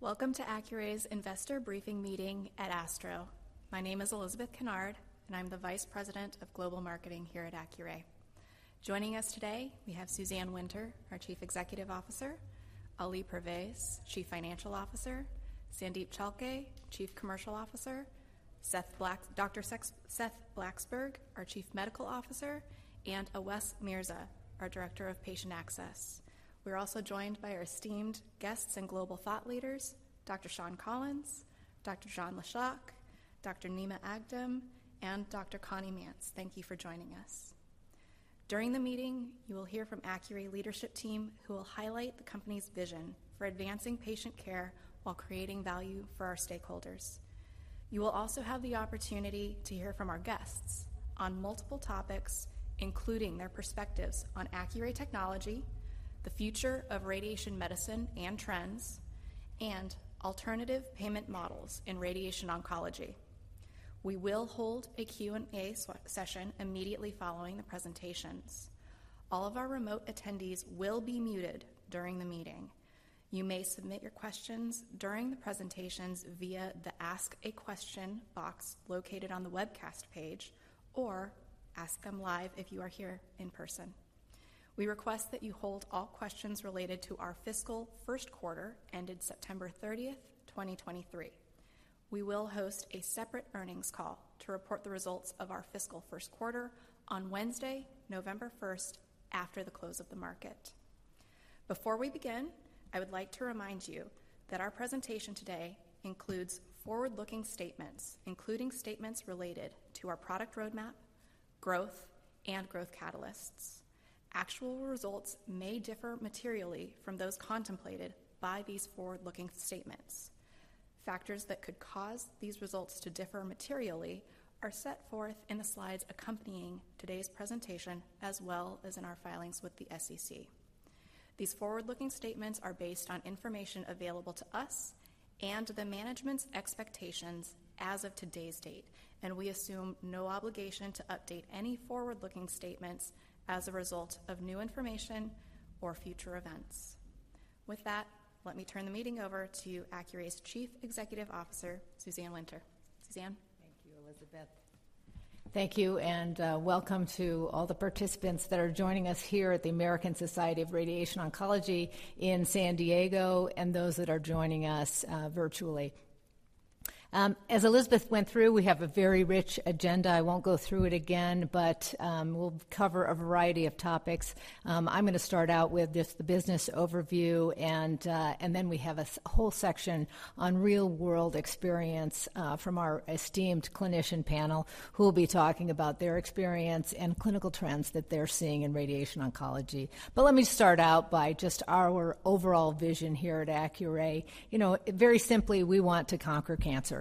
Welcome to Accuray's Investor Briefing Meeting at ASTRO. My name is Elizabeth Kennard, and I'm the Vice President of Global Marketing here at Accuray. Joining us today, we have Suzanne Winter, our Chief Executive Officer, Ali Pervaiz, Chief Financial Officer, Sandeep Chalke, Chief Commercial Officer, Dr. Seth Blacksburg, our Chief Medical Officer, and Awais Mirza, our Director of Patient Access. We're also joined by our esteemed guests and global thought leaders, Dr. Sean Collins, Dr. Jon Lischalk, Dr. Nima Aghdam, and Dr. Connie Mantz. Thank you for joining us. During the meeting, you will hear from Accuray leadership team, who will highlight the company's vision for advancing patient care while creating value for our stakeholders. You will also have the opportunity to hear from our guests on multiple topics, including their perspectives on Accuray technology, the future of radiation medicine and trends, and alternative payment models in radiation oncology. We will hold a Q&A session immediately following the presentations. All of our remote attendees will be muted during the meeting. You may submit your questions during the presentations via the Ask a Question box located on the webcast page, or ask them live if you are here in person. We request that you hold all questions related to our fiscal first quarter, ended September 30, 2023. We will host a separate earnings call to report the results of our fiscal first quarter on Wednesday, November 1, after the close of the market. Before we begin, I would like to remind you that our presentation today includes forward-looking statements, including statements related to our product roadmap, growth, and growth catalysts. Actual results may differ materially from those contemplated by these forward-looking statements. Factors that could cause these results to differ materially are set forth in the slides accompanying today's presentation, as well as in our filings with the SEC. These forward-looking statements are based on information available to us and the management's expectations as of today's date, and we assume no obligation to update any forward-looking statements as a result of new information or future events. With that, let me turn the meeting over to Accuray's Chief Executive Officer, Suzanne Winter. Suzanne? Thank you, Elizabeth. Thank you, and welcome to all the participants that are joining us here at the American Society of Radiation Oncology in San Diego and those that are joining us virtually. As Elizabeth went through, we have a very rich agenda. I won't go through it again, but we'll cover a variety of topics. I'm going to start out with just the business overview and then we have a whole section on real-world experience from our esteemed clinician panel, who will be talking about their experience and clinical trends that they're seeing in radiation oncology. Let me start out by just our overall vision here at Accuray. You know, very simply, we want to conquer cancer,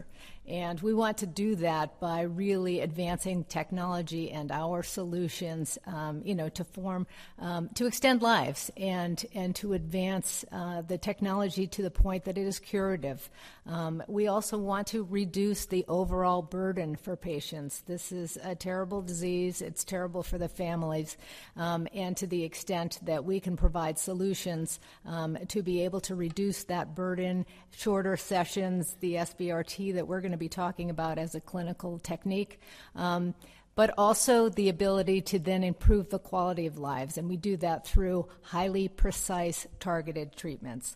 and we want to do that by really advancing technology and our solutions, you know, to extend lives and to advance the technology to the point that it is curative. We also want to reduce the overall burden for patients. This is a terrible disease. It's terrible for the families, and to the extent that we can provide solutions to be able to reduce that burden, shorter sessions, the SBRT that we're going to be talking about as a clinical technique, but also the ability to then improve the quality of lives, and we do that through highly precise, targeted treatments.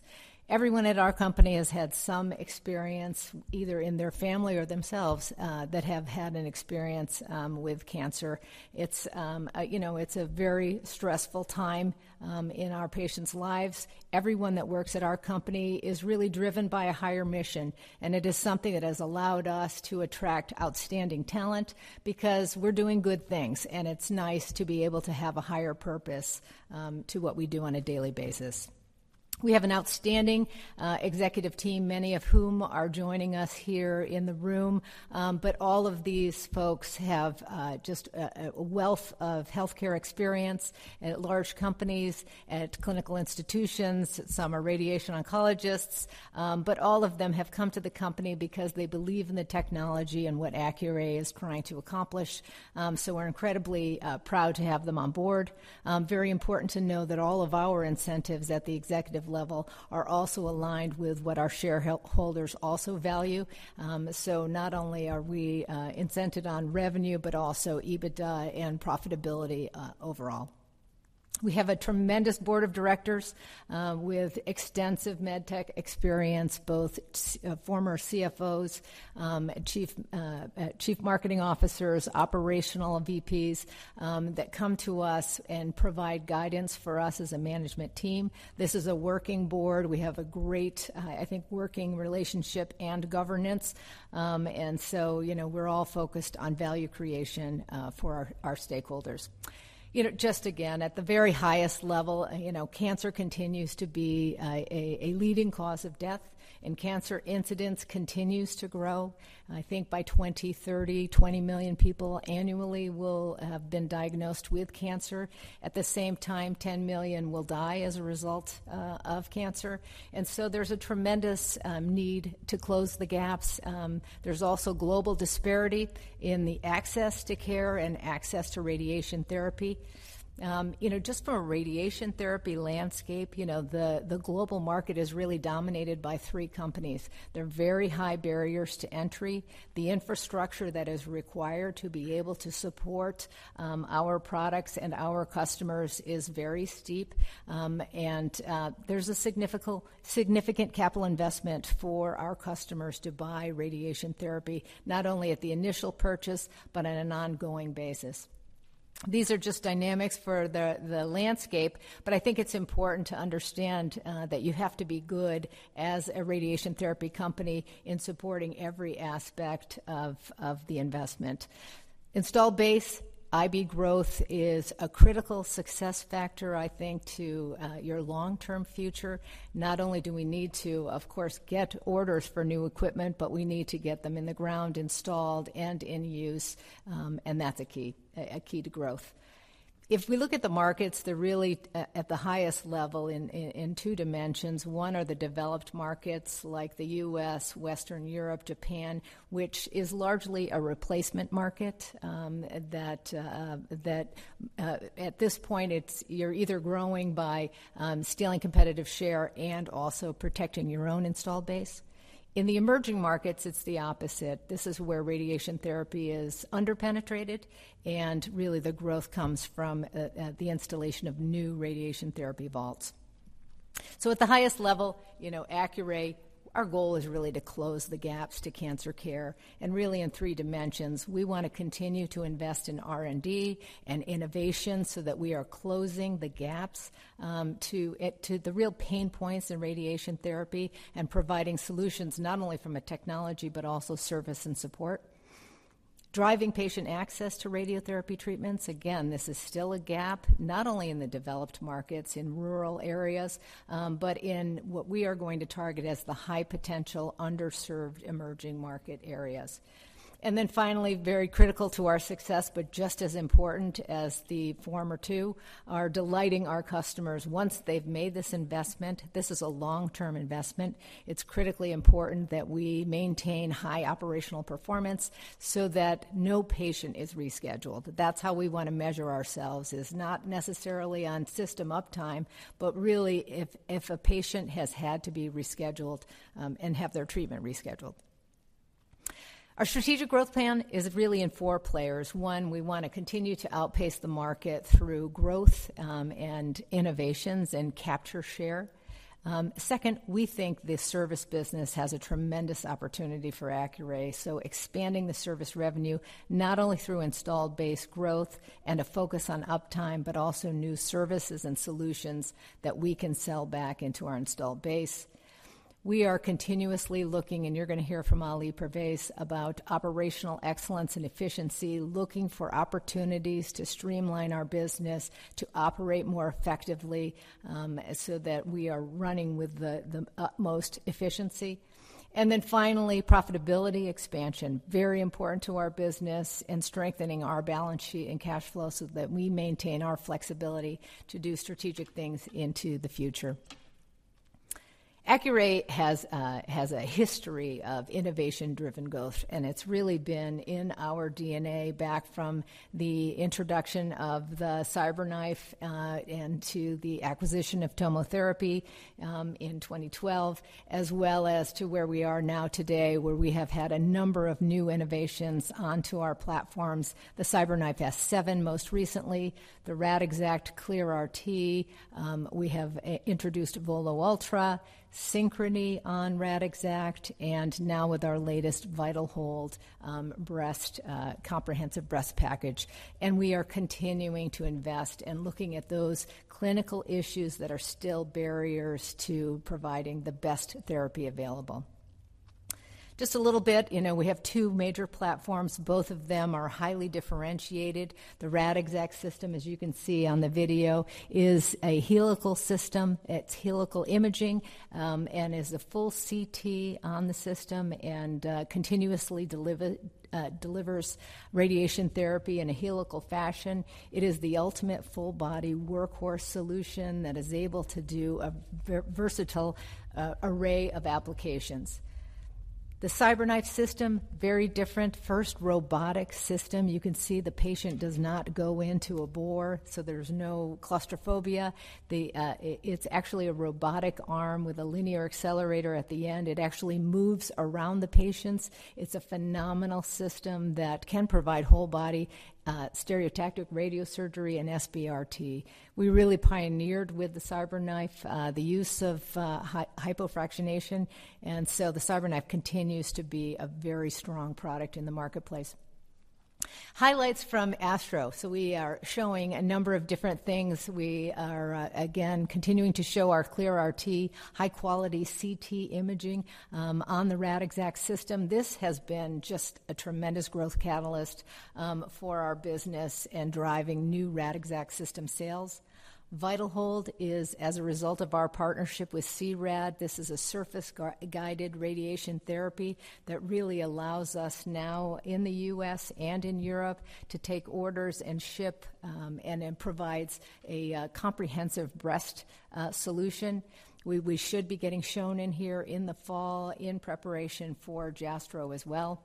Everyone at our company has had some experience, either in their family or themselves, that have had an experience with cancer. It's, you know, it's a very stressful time in our patients' lives. Everyone that works at our company is really driven by a higher mission, and it is something that has allowed us to attract outstanding talent because we're doing good things, and it's nice to be able to have a higher purpose to what we do on a daily basis. We have an outstanding executive team, many of whom are joining us here in the room. But all of these folks have just a wealth of healthcare experience at large companies, at clinical institutions. Some are radiation oncologists, but all of them have come to the company because they believe in the technology and what Accuray is trying to accomplish. So we're incredibly proud to have them on board. Very important to know that all of our incentives at the executive level are also aligned with what our shareholders also value. So not only are we incented on revenue, but also EBITDA and profitability overall. We have a tremendous board of directors with extensive med tech experience, former CFOs, chief marketing officers, operational VPs, that come to us and provide guidance for us as a management team. This is a working board. We have a great, I think, working relationship and governance. So, you know, we're all focused on value creation for our stakeholders. You know, just again, at the very highest level, you know, cancer continues to be a leading cause of death, and cancer incidence continues to grow. I think by 2030, 20 million people annually will have been diagnosed with cancer. At the same time, 10 million will die as a result of cancer. And so there's a tremendous need to close the gaps. There's also global disparity in the access to care and access to radiation therapy. You know, just from a radiation therapy landscape, you know, the global market is really dominated by three companies. They're very high barriers to entry. The infrastructure that is required to be able to support our products and our customers is very steep, and there's a significant, significant capital investment for our customers to buy radiation therapy, not only at the initial purchase, but on an ongoing basis.... These are just dynamics for the landscape, but I think it's important to understand that you have to be good as a radiation therapy company in supporting every aspect of the investment. Installed base, IB growth is a critical success factor, I think, to your long-term future. Not only do we need to, of course, get orders for new equipment, but we need to get them in the ground, installed, and in use, and that's a key to growth. If we look at the markets, they're really at the highest level in two dimensions. One are the developed markets like the U.S., Western Europe, Japan, which is largely a replacement market, that at this point, it's—you're either growing by stealing competitive share and also protecting your own installed base. In the emerging markets, it's the opposite. This is where radiation therapy is under-penetrated, and really, the growth comes from the installation of new radiation therapy vaults. So at the highest level, you know, Accuray, our goal is really to close the gaps to cancer care, and really in three dimensions. We want to continue to invest in R&D and innovation so that we are closing the gaps to the real pain points in radiation therapy and providing solutions not only from a technology, but also service and support. Driving patient access to radiotherapy treatments, again, this is still a gap, not only in the developed markets, in rural areas, but in what we are going to target as the high-potential, underserved, emerging market areas. Then finally, very critical to our success, but just as important as the former two, are delighting our customers. Once they've made this investment, this is a long-term investment. It's critically important that we maintain high operational performance so that no patient is rescheduled. That's how we want to measure ourselves, is not necessarily on system uptime, but really if a patient has had to be rescheduled, and have their treatment rescheduled. Our strategic growth plan is really in four players. One, we want to continue to outpace the market through growth, and innovations and capture share. Second, we think the service business has a tremendous opportunity for Accuray, so expanding the service revenue, not only through installed base growth and a focus on uptime, but also new services and solutions that we can sell back into our installed base. We are continuously looking, and you're going to hear from Ali Pervaiz about operational excellence and efficiency, looking for opportunities to streamline our business, to operate more effectively, so that we are running with the, the utmost efficiency. And then finally, profitability expansion. Very important to our business and strengthening our balance sheet and cash flow so that we maintain our flexibility to do strategic things into the future. Accuray has a, has a history of innovation-driven growth, and it's really been in our DNA back from the introduction of the CyberKnife, and to the acquisition of TomoTherapy, in 2012, as well as to where we are now today, where we have had a number of new innovations onto our platforms. The CyberKnife S7, most recently, the Radixact ClearRT. We have introduced Volo Ultra, Synchrony on Radixact, and now with our latest VitalHold, breast, comprehensive breast package. And we are continuing to invest and looking at those clinical issues that are still barriers to providing the best therapy available. Just a little bit, you know, we have two major platforms. Both of them are highly differentiated. The Radixact system, as you can see on the video, is a helical system. It's helical imaging, and is a full CT on the system and continuously delivers radiation therapy in a helical fashion. It is the ultimate full-body workhorse solution that is able to do a versatile array of applications. The CyberKnife system, very different. First robotic system. You can see the patient does not go into a bore, so there's no claustrophobia. The... It's actually a robotic arm with a linear accelerator at the end. It actually moves around the patients. It's a phenomenal system that can provide whole-body stereotactic radiosurgery and SBRT. We really pioneered with the CyberKnife the use of hypofractionation, and so the CyberKnife continues to be a very strong product in the marketplace. Highlights from ASTRO. So we are showing a number of different things. We are again continuing to show our ClearRT, high-quality CT imaging on the Radixact system. This has been just a tremendous growth catalyst for our business and driving new Radixact system sales. VitalHold is as a result of our partnership with C-RAD. This is a surface-guided radiation therapy that really allows us now in the U.S. and in Europe to take orders and ship and it provides a comprehensive breast solution. We should be getting shown in here in the fall in preparation for JASTRO as well.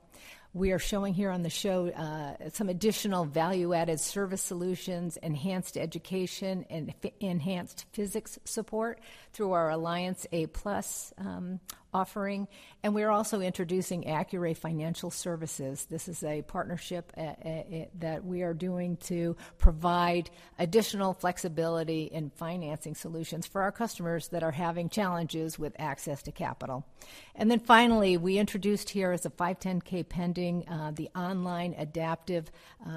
We are showing here on the show some additional value-added service solutions, enhanced education, and enhanced physics support through our Alliance A+ offering, and we are also introducing Accuray Financial Services. This is a partnership that we are doing to provide additional flexibility in financing solutions for our customers that are having challenges with access to capital. And then finally, we introduced here as a 510(k) pending the online adaptive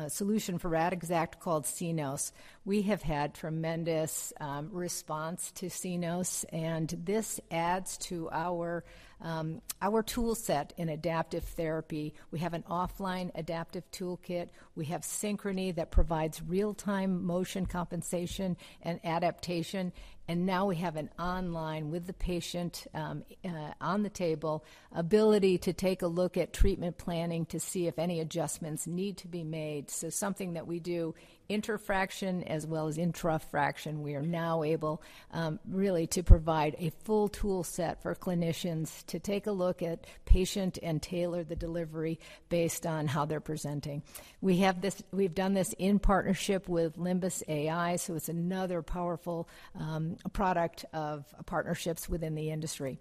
solution for Radixact called Cenos. We have had tremendous response to Cenos, and this adds to our tool set in adaptive therapy. We have an offline adaptive toolkit. We have Synchrony that provides real-time motion compensation and adaptation, and now we have an online with the patient, on the table, ability to take a look at treatment planning to see if any adjustments need to be made. So something that we do interfraction as well as intrafraction, we are now able, really to provide a full tool set for clinicians to take a look at patient and tailor the delivery based on how they're presenting. We have this. We've done this in partnership with Limbus AI, so it's another powerful product of partnerships within the industry.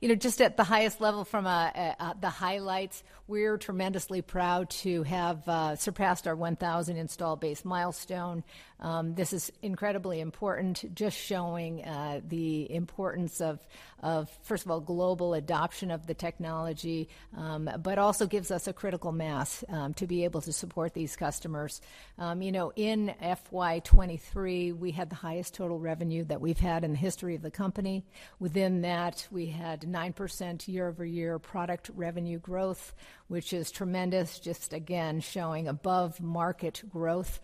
You know, just at the highest level, from the highlights, we're tremendously proud to have surpassed our 1,000 installed base milestone. This is incredibly important, just showing the importance of first of all, global adoption of the technology, but also gives us a critical mass to be able to support these customers. You know, in FY 2023, we had the highest total revenue that we've had in the history of the company. Within that, we had 9% year-over-year product revenue growth, which is tremendous, just again showing above-market growth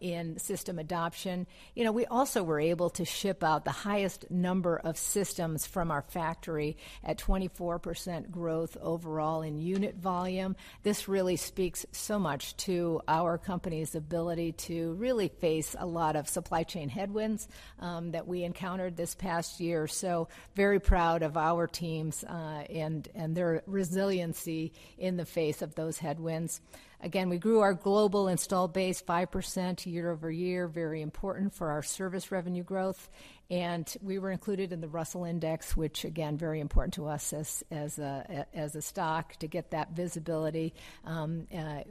in system adoption. You know, we also were able to ship out the highest number of systems from our factory at 24% growth overall in unit volume. This really speaks so much to our company's ability to really face a lot of supply chain headwinds that we encountered this past year. So very proud of our teams, and their resiliency in the face of those headwinds. Again, we grew our global installed base 5% year over year, very important for our service revenue growth, and we were included in the Russell Index, which again, very important to us as a stock to get that visibility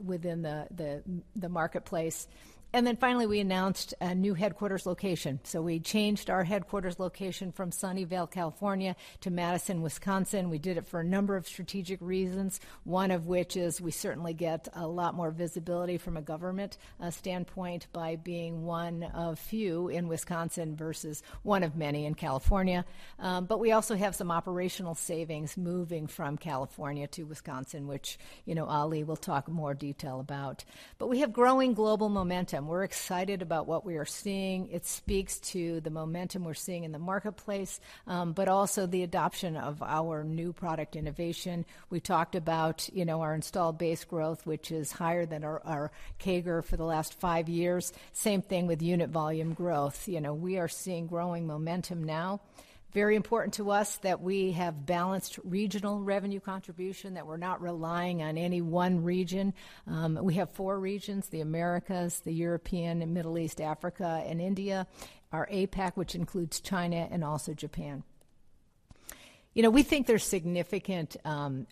within the marketplace. Then finally, we announced a new headquarters location. So we changed our headquarters location from Sunnyvale, California, to Madison, Wisconsin. We did it for a number of strategic reasons, one of which is we certainly get a lot more visibility from a government standpoint by being one of few in Wisconsin versus one of many in California. But we also have some operational savings moving from California to Wisconsin, which, you know, Ali will talk more detail about. But we have growing global momentum. We're excited about what we are seeing. It speaks to the momentum we're seeing in the marketplace, but also the adoption of our new product innovation. We talked about, you know, our installed base growth, which is higher than our CAGR for the last five years. Same thing with unit volume growth. You know, we are seeing growing momentum now. Very important to us that we have balanced regional revenue contribution, that we're not relying on any one region. We have four regions: the Americas, the European and Middle East, Africa and India, our APAC, which includes China and also Japan. You know, we think there's significant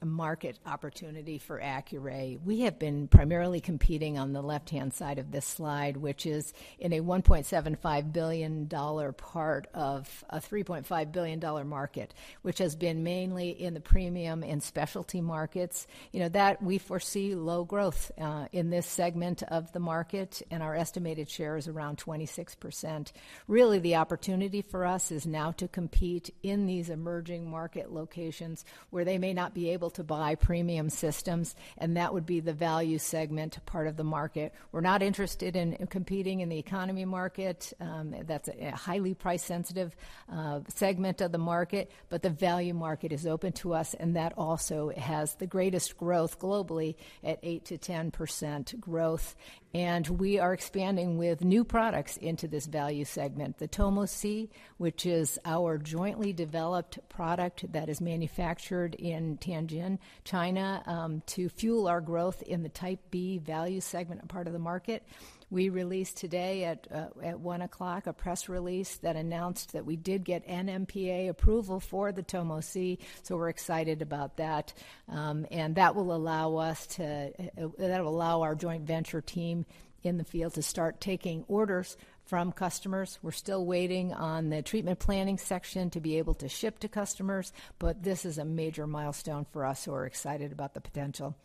market opportunity for Accuray. We have been primarily competing on the left-hand side of this slide, which is in a $1.75 billion part of a $3.5 billion market, which has been mainly in the premium and specialty markets. You know, that we foresee low growth in this segment of the market, and our estimated share is around 26%. Really, the opportunity for us is now to compete in these emerging market locations where they may not be able to buy premium systems, and that would be the value segment part of the market. We're not interested in competing in the economy market, that's a highly price-sensitive segment of the market, but the value market is open to us, and that also has the greatest growth globally at 8%-10% growth. And we are expanding with new products into this value segment, the Tomo C, which is our jointly developed product that is manufactured in Tianjin, China, to fuel our growth in the Type B value segment part of the market. We released today at 1:00 P.M., a press release that announced that we did get NMPA approval for the Tomo C. So we're excited about that. And that will allow our joint venture team in the field to start taking orders from customers. We're still waiting on the treatment planning section to be able to ship to customers, but this is a major milestone for us, so we're excited about the potential.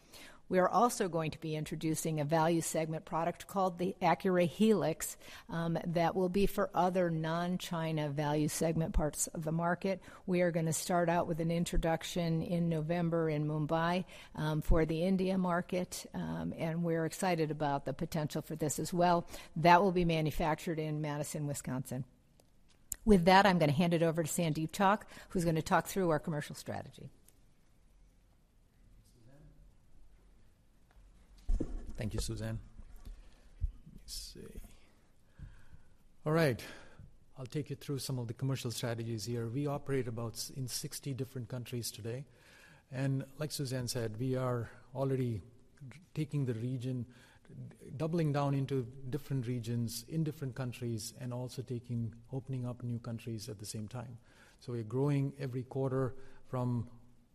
We are also going to be introducing a value segment product called the Accuray Helix, that will be for other non-China value segment parts of the market. We are going to start out with an introduction in November in Mumbai, for the India market, and we're excited about the potential for this as well. That will be manufactured in Madison, Wisconsin. With that, I'm going to hand it over to Sandeep Chalke, who's going to talk through our commercial strategy. Thank you, Suzanne. Let me see. All right, I'll take you through some of the commercial strategies here. We operate about seventy in 60 different countries today, and like Suzanne said, we are already taking the region, doubling down into different regions in different countries, and also taking opening up new countries at the same time. So we're growing every quarter from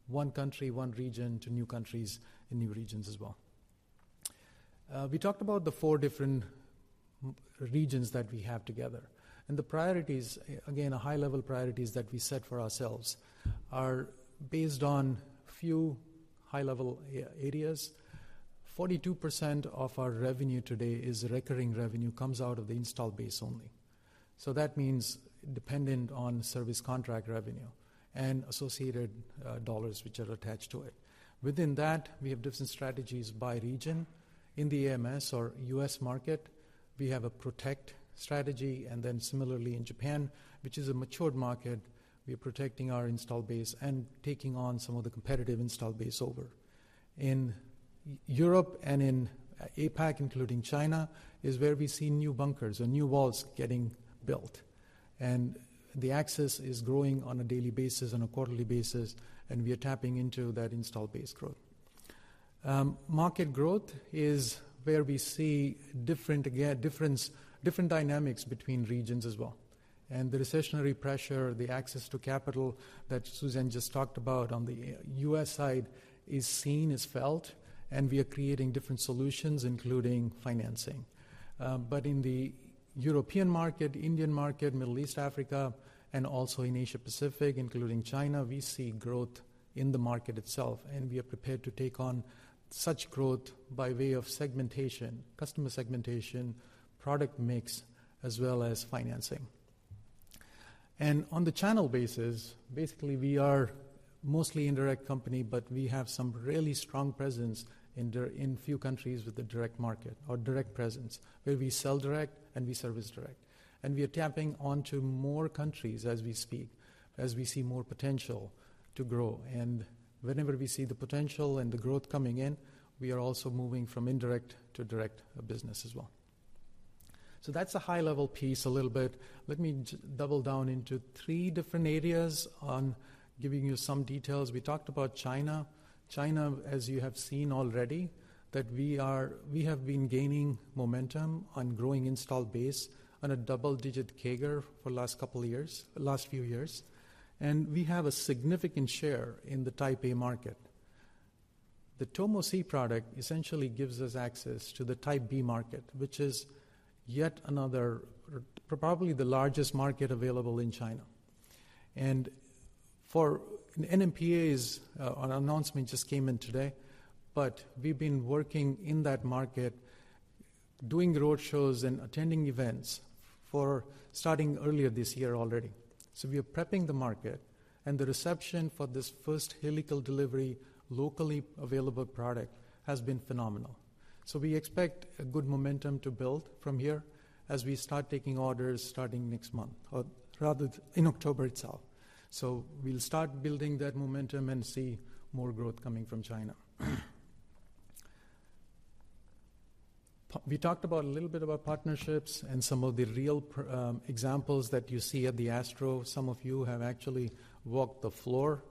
one country, one region, to new countries and new regions as well. We talked about the four different regions that we have together, and the priorities, again, the high-level priorities that we set for ourselves, are based on few high-level areas. 42% of our revenue today is recurring revenue, comes out of the installed base only. So that means dependent on service contract revenue and associated dollars which are attached to it. Within that, we have different strategies by region. In the AMS or U.S. market, we have a protect strategy, and then similarly in Japan, which is a mature market, we are protecting our installed base and taking on some of the competitive installed base over. In Europe and in APAC, including China, is where we see new bunkers or new walls getting built, and the access is growing on a daily basis, on a quarterly basis, and we are tapping into that installed base growth. Market growth is where we see different dynamics between regions as well. The recessionary pressure, the access to capital that Suzanne just talked about on the U.S. side is seen, is felt, and we are creating different solutions, including financing. But in the European market, Indian market, Middle East, Africa, and also in Asia Pacific, including China, we see growth in the market itself, and we are prepared to take on such growth by way of segmentation, customer segmentation, product mix, as well as financing. And on the channel basis, basically, we are mostly indirect company, but we have some really strong presence in a few countries with a direct market or direct presence, where we sell direct and we service direct. And we are tapping onto more countries as we speak, as we see more potential to grow. And whenever we see the potential and the growth coming in, we are also moving from indirect to direct business as well. So that's a high-level piece a little bit. Let me double down into three different areas on giving you some details. We talked about China. China, as you have seen already, that we have been gaining momentum on growing installed base on a double-digit CAGR for last couple of years, last few years, and we have a significant share in the Type A market. The Tomo C product essentially gives us access to the Type B market, which is yet another or probably the largest market available in China. And for NMPA's an announcement just came in today, but we've been working in that market, doing roadshows and attending events for starting earlier this year already. So we are prepping the market, and the reception for this first helical delivery, locally available product has been phenomenal. So we expect a good momentum to build from here as we start taking orders starting next month, or rather in October itself. So we'll start building that momentum and see more growth coming from China. We talked about a little bit about partnerships and some of the real examples that you see at the ASTRO. Some of you have actually walked the floor.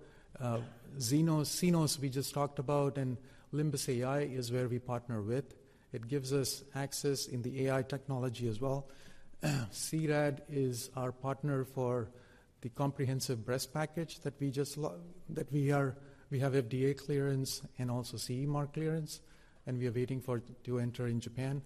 Cenos, we just talked about, and Limbus AI is where we partner with. It gives us access in the AI technology as well. C-RAD is our partner for the comprehensive breast package that we just that we are, we have FDA clearance and also CE Mark clearance, and we are waiting to enter in Japan.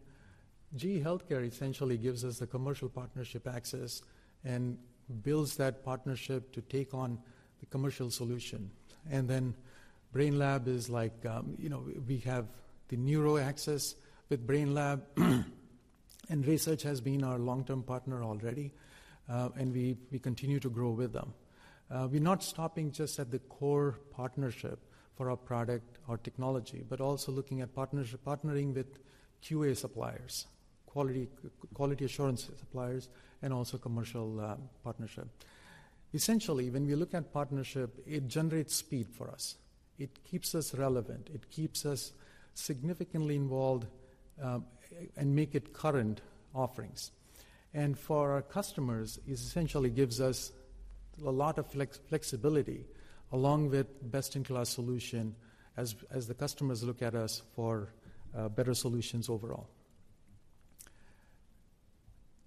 GE Healthcare essentially gives us the commercial partnership access and builds that partnership to take on the commercial solution. And then Brainlab is like, you know, we, we have the neuro access with Brainlab, and RaySearch has been our long-term partner already, and we, we continue to grow with them. We're not stopping just at the core partnership for our product or technology, but also looking at partnering with QA suppliers, quality assurance suppliers, and also commercial partnership. Essentially, when we look at partnership, it generates speed for us. It keeps us relevant, it keeps us significantly involved, and make it current offerings. For our customers, it essentially gives us a lot of flexibility, along with best-in-class solution as the customers look at us for better solutions overall.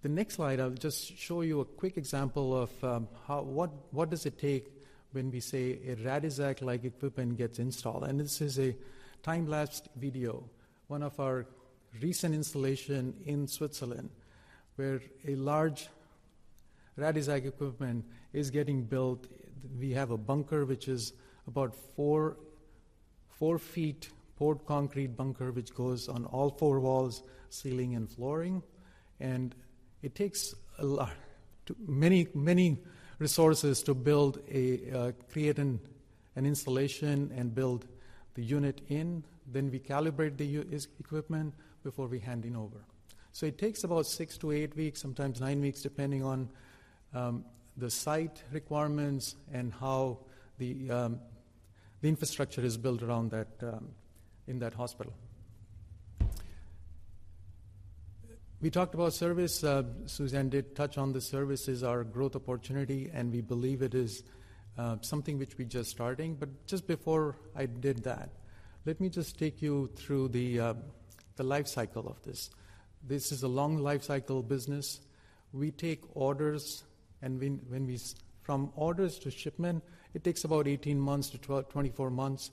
The next slide, I'll just show you a quick example of what it takes when we say a Radixact-like equipment gets installed. And this is a time-lapsed video, one of our recent installation in Switzerland, where a large Radixact equipment is getting built. We have a bunker, which is about four-foot poured concrete bunker, which goes on all four walls, ceiling, and flooring. It takes a lot of many, many resources to build an installation and build the unit in. Then we calibrate the equipment before we handing over. So it takes about six to eight weeks, sometimes nine weeks, depending on the site requirements and how the infrastructure is built around that in that hospital. We talked about service. Suzanne did touch on the service is our growth opportunity, and we believe it is something which we're just starting. But just before I did that, let me just take you through the life cycle of this. This is a long life cycle business. We take orders, and when we-- From orders to shipment, it takes about 18 months to 24 months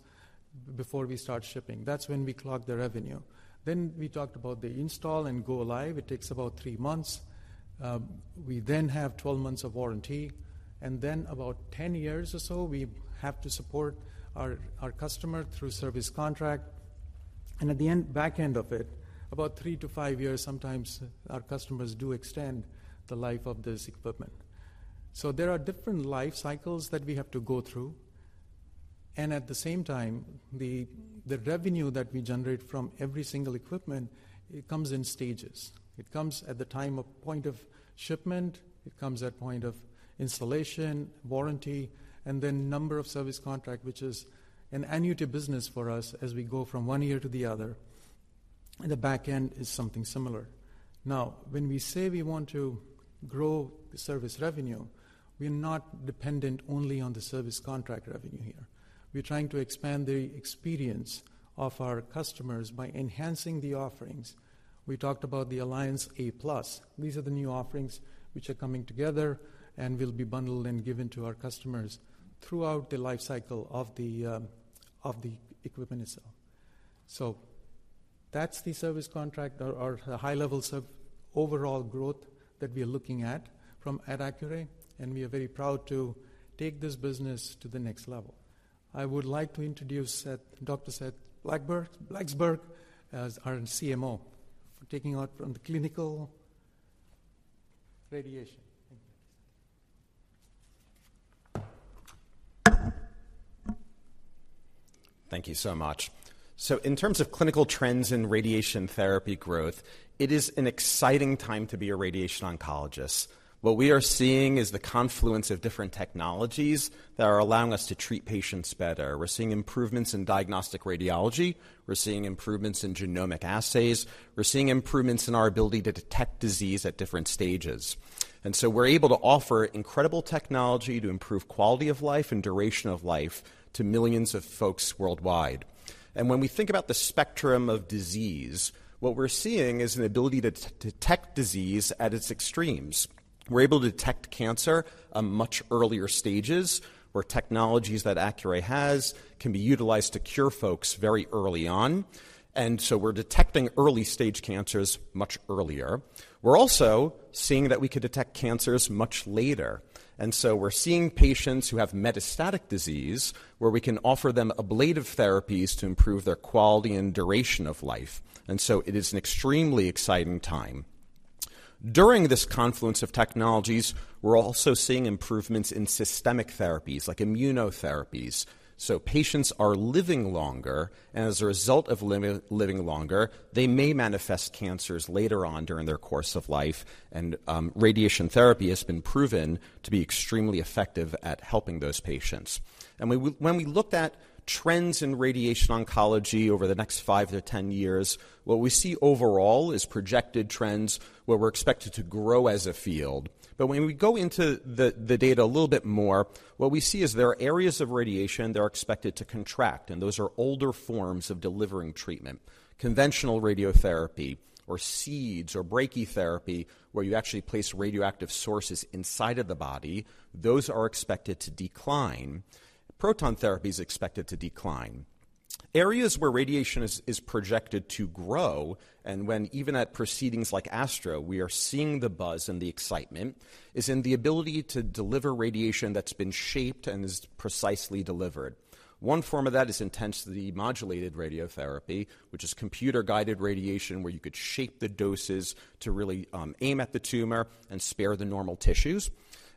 before we start shipping. That's when we clock the revenue. Then we talked about the install and go live. It takes about three months. We then have 12 months of warranty, and then about 10 years or so, we have to support our customer through service contract. And at the end, back end of it, about three to five years, sometimes our customers do extend the life of this equipment. So there are different life cycles that we have to go through, and at the same time, the revenue that we generate from every single equipment, it comes in stages. It comes at the time of point of shipment, it comes at point of installation, warranty, and then number of service contract, which is an annuity business for us as we go from one year to the other, and the back end is something similar. Now, when we say we want to grow the service revenue, we're not dependent only on the service contract revenue here. We're trying to expand the experience of our customers by enhancing the offerings. We talked about the Alliance A+. These are the new offerings which are coming together and will be bundled and given to our customers throughout the life cycle of the of the equipment itself. So that's the service contract or, or the high levels of overall growth that we are looking at from at Accuray, and we are very proud to take this business to the next level. I would like to introduce Seth, Dr. Seth Blacksburg, as our CMO, for taking out from the clinical radiation. Thank you. Thank you so much. So in terms of clinical trends in radiation therapy growth, it is an exciting time to be a radiation oncologist. What we are seeing is the confluence of different technologies that are allowing us to treat patients better. We're seeing improvements in diagnostic radiology. We're seeing improvements in genomic assays. We're seeing improvements in our ability to detect disease at different stages. And so we're able to offer incredible technology to improve quality of life and duration of life to millions of folks worldwide. And when we think about the spectrum of disease, what we're seeing is an ability to detect disease at its extremes. We're able to detect cancer at much earlier stages, where technologies that Accuray has can be utilized to cure folks very early on. And so we're detecting early-stage cancers much earlier. We're also seeing that we can detect cancers much later. We're seeing patients who have metastatic disease, where we can offer them ablative therapies to improve their quality and duration of life. So it is an extremely exciting time. During this confluence of technologies, we're also seeing improvements in systemic therapies like immunotherapies. So patients are living longer, and as a result of living longer, they may manifest cancers later on during their course of life, and radiation therapy has been proven to be extremely effective at helping those patients. And when we looked at trends in radiation oncology over the next five to 10 years, what we see overall is projected trends where we're expected to grow as a field. But when we go into the data a little bit more, what we see is there are areas of radiation that are expected to contract, and those are older forms of delivering treatment, conventional radiotherapy or seeds or brachytherapy, where you actually place radioactive sources inside of the body. Those are expected to decline. Proton therapy is expected to decline. Areas where radiation is projected to grow, and when even at proceedings like ASTRO, we are seeing the buzz and the excitement, is in the ability to deliver radiation that's been shaped and is precisely delivered. One form of that is intensity-modulated radiotherapy, which is computer-guided radiation, where you could shape the doses to really aim at the tumor and spare the normal tissues,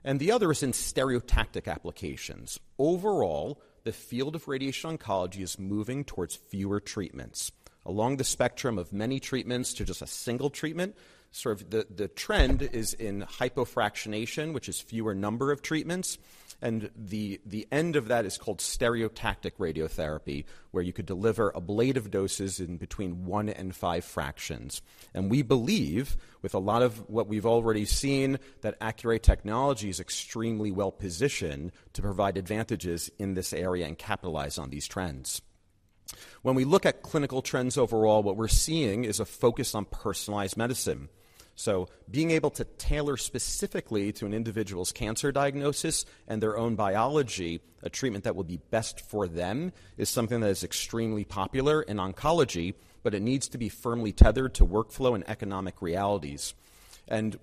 and the other is in stereotactic applications. Overall, the field of radiation oncology is moving towards fewer treatments. Along the spectrum of many treatments to just a single treatment, sort of the trend is in hypofractionation, which is fewer number of treatments, and the end of that is called stereotactic radiotherapy, where you could deliver ablative doses in between one and five fractions. We believe, with a lot of what we've already seen, that Accuray technology is extremely well-positioned to provide advantages in this area and capitalize on these trends. When we look at clinical trends overall, what we're seeing is a focus on personalized medicine. So being able to tailor specifically to an individual's cancer diagnosis and their own biology, a treatment that will be best for them, is something that is extremely popular in oncology, but it needs to be firmly tethered to workflow and economic realities.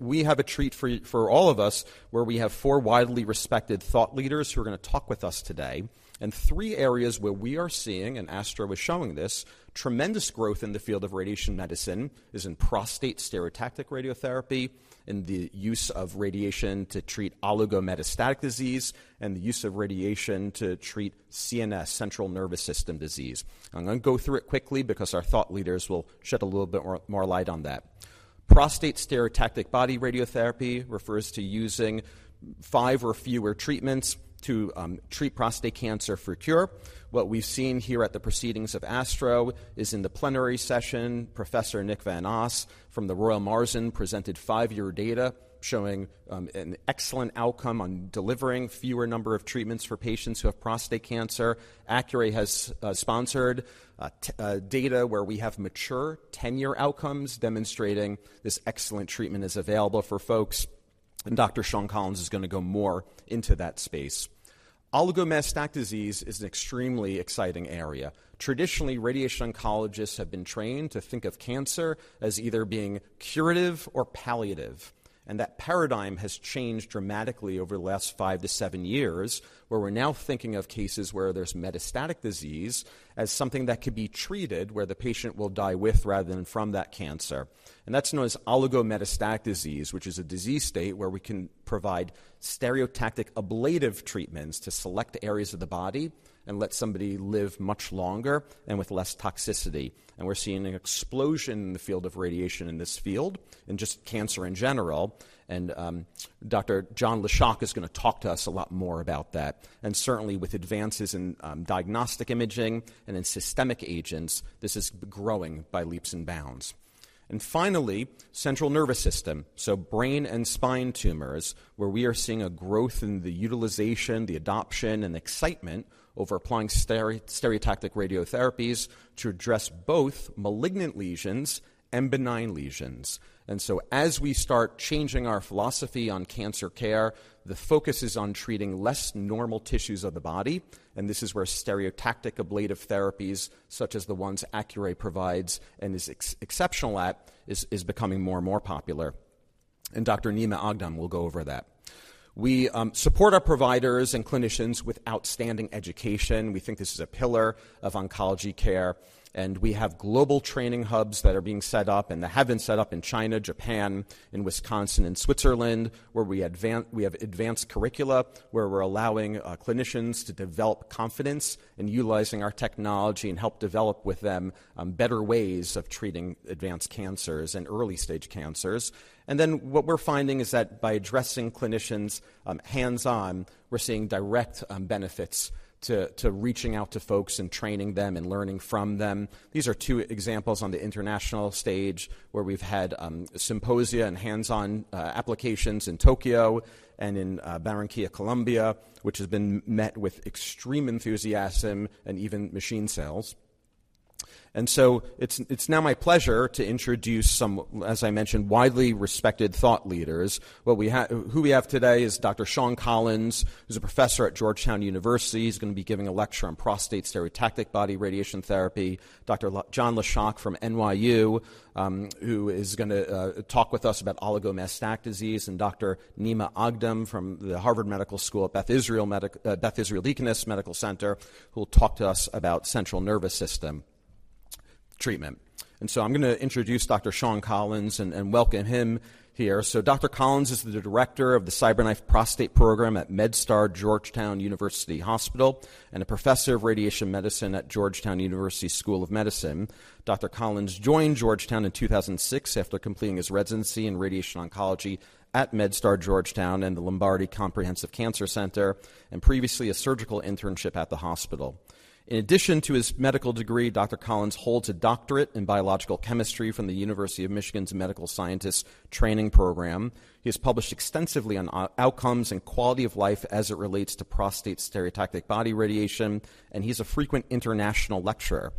We have a treat for all of us, where we have four widely respected thought leaders who are going to talk with us today. Three areas where we are seeing, and ASTRO is showing this, tremendous growth in the field of radiation medicine is in prostate stereotactic radiotherapy, in the use of radiation to treat oligometastatic disease, and the use of radiation to treat CNS, central nervous system disease. I'm going to go through it quickly because our thought leaders will shed a little bit more light on that. Prostate stereotactic body radiotherapy refers to using five or fewer treatments to treat prostate cancer for cure. What we've seen here at the proceedings of ASTRO is in the plenary session, Professor Nick van As from The Royal Marsden presented five-year data showing an excellent outcome on delivering fewer number of treatments for patients who have prostate cancer. Accuray has sponsored data where we have mature ten-year outcomes demonstrating this excellent treatment is available for folks, and Dr. Sean Collins is going to go more into that space. Oligometastatic disease is an extremely exciting area. Traditionally, radiation oncologists have been trained to think of cancer as either being curative or palliative, and that paradigm has changed dramatically over the last five to seven years, where we're now thinking of cases where there's metastatic disease as something that could be treated, where the patient will die with, rather than from that cancer. That's known as oligometastatic disease, which is a disease state where we can provide stereotactic ablative treatments to select areas of the body and let somebody live much longer and with less toxicity. We're seeing an explosion in the field of radiation in this field and just cancer in general. Dr. Jon Lischalk is going to talk to us a lot more about that. Certainly, with advances in diagnostic imaging and in systemic agents, this is growing by leaps and bounds. Finally, central nervous system, so brain and spine tumors, where we are seeing a growth in the utilization, the adoption, and excitement over applying stereotactic radiotherapies to address both malignant lesions and benign lesions. So as we start changing our philosophy on cancer care, the focus is on treating less normal tissues of the body, and this is where stereotactic ablative therapies, such as the ones Accuray provides and is exceptional at, is becoming more and more popular. Dr. Nima Aghdam will go over that. We support our providers and clinicians with outstanding education. We think this is a pillar of oncology care, and we have global training hubs that are being set up and that have been set up in China, Japan, in Wisconsin, and Switzerland, where we have advanced curricula, where we're allowing clinicians to develop confidence in utilizing our technology and help develop with them better ways of treating advanced cancers and early-stage cancers. And then, what we're finding is that by addressing clinicians hands-on, we're seeing direct benefits to reaching out to folks and training them and learning from them. These are two examples on the international stage, where we've had symposia and hands-on applications in Tokyo and in Barranquilla, Colombia, which has been met with extreme enthusiasm and even machine sales. And so it's now my pleasure to introduce some, as I mentioned, widely respected thought leaders. Who we have today is Dr. Sean Collins, who's a professor at Georgetown University. He's going to be giving a lecture on prostate stereotactic body radiation therapy. Dr. Jon Lischalk from NYU, who is gonna talk with us about oligometastatic disease, and Dr. Nima Aghdam from the Harvard Medical School at Beth Israel Deaconess Medical Center, who will talk to us about central nervous system treatment. And so I'm going to introduce Dr. Sean Collins and welcome him here. So Dr. Collins is the director of the CyberKnife Prostate Program at MedStar Georgetown University Hospital, and a professor of radiation medicine at Georgetown University School of Medicine. Dr. Collins joined Georgetown in 2006 after completing his residency in radiation oncology at MedStar Georgetown and the Lombardi Comprehensive Cancer Center, and previously, a surgical internship at the hospital. In addition to his medical degree, Dr. Collins holds a doctorate in biological chemistry from the University of Michigan's Medical Scientists Training Program. He has published extensively on outcomes and quality of life as it relates to prostate stereotactic body radiation, and he's a frequent international lecturer.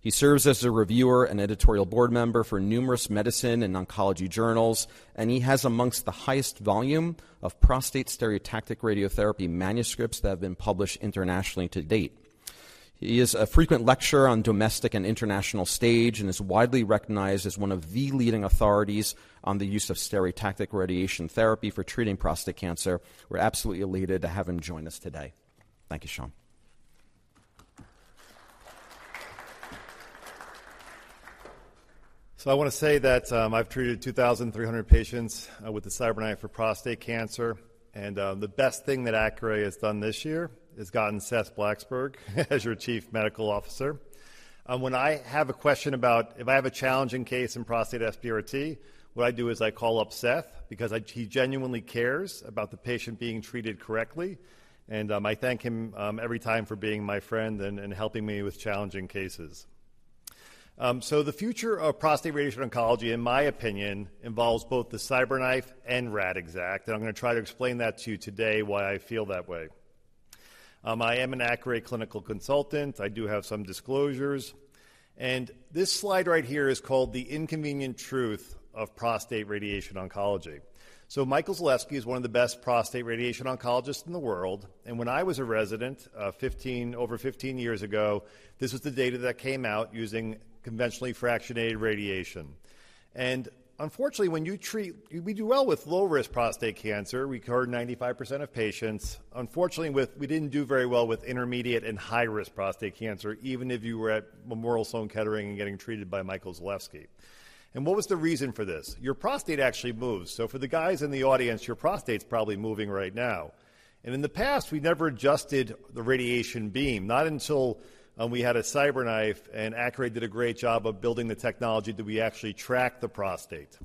He serves as a reviewer and editorial board member for numerous medicine and oncology journals, and he has amongst the highest volume of prostate stereotactic radiotherapy manuscripts that have been published internationally to date. He is a frequent lecturer on domestic and international stage and is widely recognized as one of the leading authorities on the use of stereotactic radiation therapy for treating prostate cancer. We're absolutely elated to have him join us today. Thank you, Sean. So I want to say that, I've treated 2,300 patients with the CyberKnife for prostate cancer, and the best thing that Accuray has done this year is gotten Seth Blacksburg as your Chief Medical Officer. When I have a question about... If I have a challenging case in prostate SBRT, what I do is I call up Seth because he genuinely cares about the patient being treated correctly, and I thank him every time for being my friend and helping me with challenging cases. So the future of prostate radiation oncology, in my opinion, involves both the CyberKnife and Radixact, and I'm going to try to explain that to you today, why I feel that way. I am an Accuray clinical consultant. I do have some disclosures, and this slide right here is called The Inconvenient Truth of Prostate Radiation Oncology. So Michael Zelefsky is one of the best prostate radiation oncologists in the world, and when I was a resident, 15, over 15 years ago, this was the data that came out using conventionally fractionated radiation. And unfortunately, when you treat. We do well with low-risk prostate cancer. We cure 95% of patients. Unfortunately, with. We didn't do very well with intermediate and high-risk prostate cancer, even if you were at Memorial Sloan Kettering and getting treated by Michael Zelefsky. And what was the reason for this? Your prostate actually moves. So for the guys in the audience, your prostate's probably moving right now. In the past, we never adjusted the radiation beam, not until we had a CyberKnife and Accuray did a great job of building the technology that we actually track the prostate.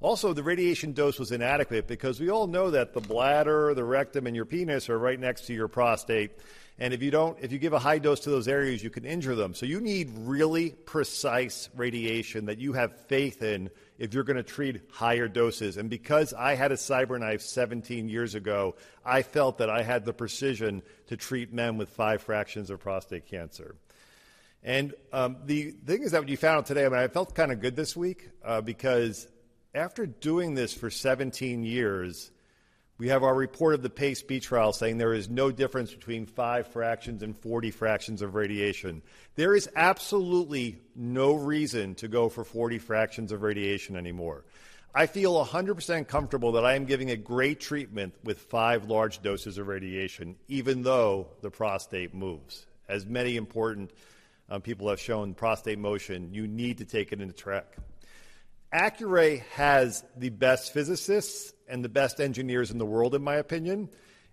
Also, the radiation dose was inadequate because we all know that the bladder, the rectum, and your penis are right next to your prostate, and if you give a high dose to those areas, you can injure them. So you need really precise radiation that you have faith in if you're going to treat higher doses. And because I had a CyberKnife 17 years ago, I felt that I had the precision to treat men with five fractions of prostate cancer. The thing is that we found out today, I mean, I felt kind of good this week, because after doing this for 17 years, we have our report of the PACE Trial saying there is no difference between five fractions and 40 fractions of radiation. There is absolutely no reason to go for 40 fractions of radiation anymore. I feel 100% comfortable that I am giving a great treatment with five large doses of radiation, even though the prostate moves. As many important people have shown, prostate motion, you need to take it into track. Accuray has the best physicists and the best engineers in the world, in my opinion,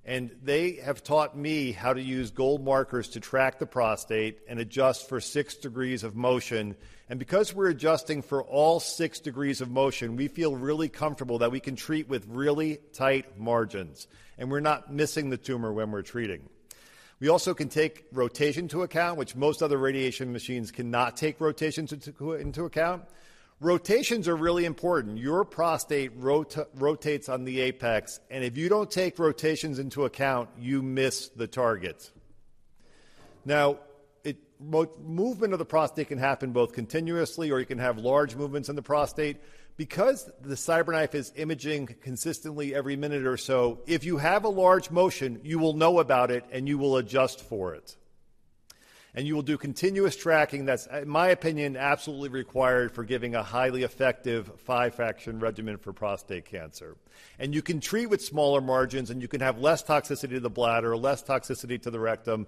and they have taught me how to use gold markers to track the prostate and adjust for six degrees of motion. Because we're adjusting for all six degrees of motion, we feel really comfortable that we can treat with really tight margins, and we're not missing the tumor when we're treating. We also can take rotation to account, which most other radiation machines cannot take rotations into account. Rotations are really important. Your prostate rotates on the apex, and if you don't take rotations into account, you miss the target. Now, movement of the prostate can happen both continuously or you can have large movements in the prostate. Because the CyberKnife is imaging consistently every minute or so, if you have a large motion, you will know about it and you will adjust for it, and you will do continuous tracking that's, in my opinion, absolutely required for giving a highly effective five-fraction regimen for prostate cancer. You can treat with smaller margins, and you can have less toxicity to the bladder, less toxicity to the rectum.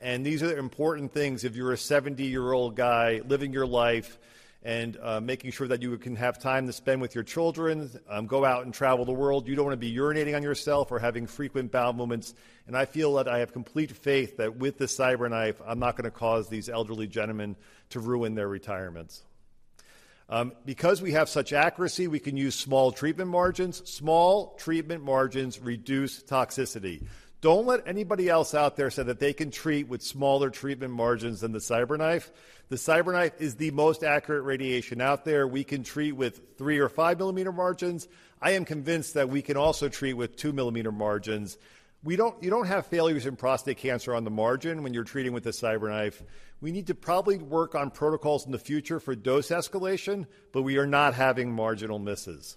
These are the important things if you're a 70-year-old guy living your life and, making sure that you can have time to spend with your children, go out and travel the world. You don't want to be urinating on yourself or having frequent bowel movements. And I feel that I have complete faith that with the CyberKnife, I'm not gonna cause these elderly gentlemen to ruin their retirements. Because we have such accuracy, we can use small treatment margins. Small treatment margins reduce toxicity. Don't let anybody else out there say that they can treat with smaller treatment margins than the CyberKnife. The CyberKnife is the most accurate radiation out there. We can treat with 3- or 5-millimeter margins. I am convinced that we can also treat with 2-millimeter margins. We don't-- You don't have failures in prostate cancer on the margin when you're treating with a CyberKnife. We need to probably work on protocols in the future for dose escalation, but we are not having marginal misses.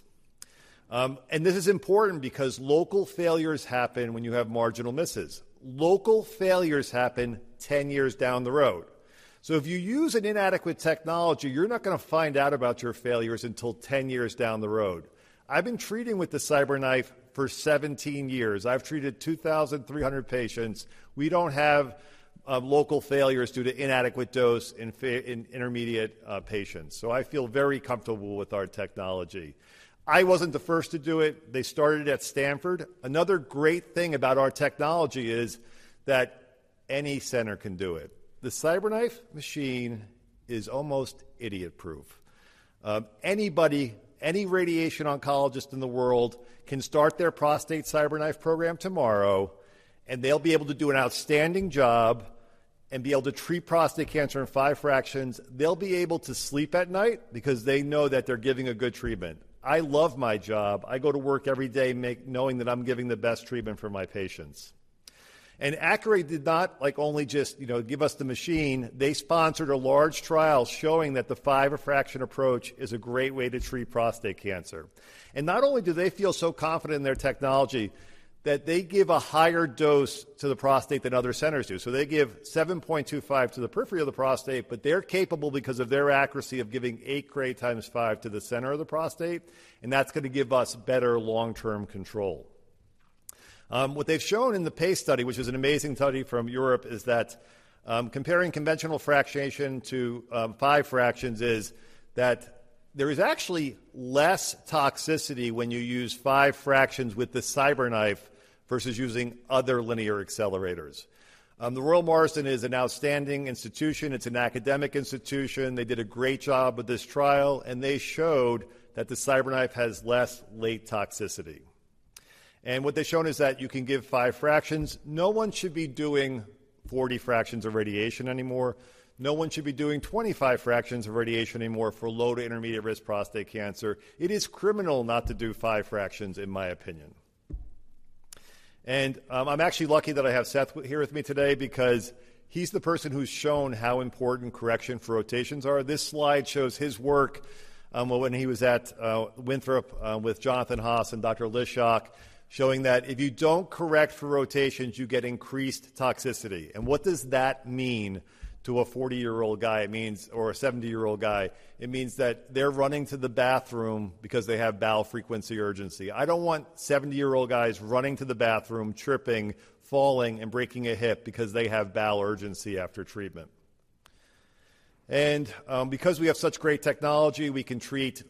And this is important because local failures happen when you have marginal misses. Local failures happen 10 years down the road. So if you use an inadequate technology, you're not gonna find out about your failures until 10 years down the road. I've been treating with the CyberKnife for 17 years. I've treated 2,300 patients. We don't have local failures due to inadequate dose in intermediate patients, so I feel very comfortable with our technology. I wasn't the first to do it. They started it at Stanford. Another great thing about our technology is that any center can do it. The CyberKnife machine is almost idiot-proof. Anybody, any radiation oncologist in the world can start their prostate CyberKnife program tomorrow, and they'll be able to do an outstanding job and be able to treat prostate cancer in five fractions. They'll be able to sleep at night because they know that they're giving a good treatment. I love my job. I go to work every day knowing that I'm giving the best treatment for my patients. And Accuray did not, like, only just, you know, give us the machine. They sponsored a large trial showing that the five-fraction approach is a great way to treat prostate cancer. And not only do they feel so confident in their technology, that they give a higher dose to the prostate than other centers do. So they give 7.25 to the periphery of the prostate, but they're capable, because of their accuracy, of giving 8 Gy × 5 to the center of the prostate, and that's gonna give us better long-term control. What they've shown in the PACE study, which is an amazing study from Europe, is that comparing conventional fractionation to five fractions is that there is actually less toxicity when you use five fractions with the CyberKnife versus using other linear accelerators. The Royal Marsden is an outstanding institution. It's an academic institution. They did a great job with this trial, and they showed that the CyberKnife has less late toxicity. And what they've shown is that you can give five fractions. No one should be doing 40 fractions of radiation anymore. No one should be doing 25 fractions of radiation anymore for low to intermediate-risk prostate cancer. It is criminal not to do five fractions, in my opinion. I'm actually lucky that I have Seth here with me today because he's the person who's shown how important correction for rotations are. This slide shows his work, when he was at Winthrop, with Jonathan Haas and Dr. Lischalk, showing that if you don't correct for rotations, you get increased toxicity. What does that mean to a 40-year-old guy? It means, or a 70-year-old guy. It means that they're running to the bathroom because they have bowel frequency urgency. I don't want 70-year-old guys running to the bathroom, tripping, falling, and breaking a hip because they have bowel urgency after treatment. Because we have such great technology, we can treat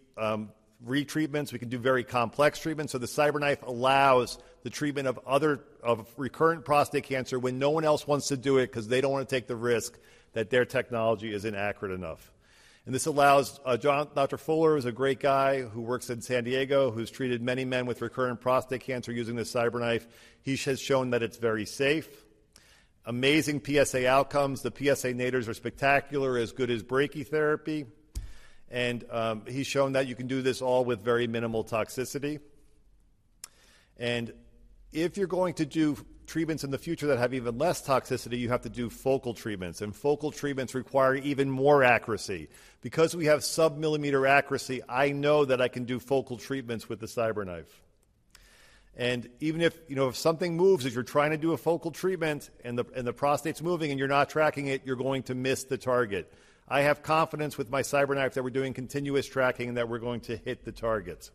retreatments, we can do very complex treatments, so the CyberKnife allows the treatment of recurrent prostate cancer when no one else wants to do it because they don't want to take the risk that their technology isn't accurate enough. And this allows Dr. Fuller, who's a great guy, who works in San Diego, who's treated many men with recurrent prostate cancer using the CyberKnife. He has shown that it's very safe. Amazing PSA outcomes. The PSA nadirs are spectacular, as good as brachytherapy. And he's shown that you can do this all with very minimal toxicity. And if you're going to do treatments in the future that have even less toxicity, you have to do focal treatments, and focal treatments require even more accuracy. Because we have sub-millimeter accuracy, I know that I can do focal treatments with the CyberKnife. And even if, you know, if something moves as you're trying to do a focal treatment and the, and the prostate's moving and you're not tracking it, you're going to miss the target. I have confidence with my CyberKnife that we're doing continuous tracking and that we're going to hit the targets.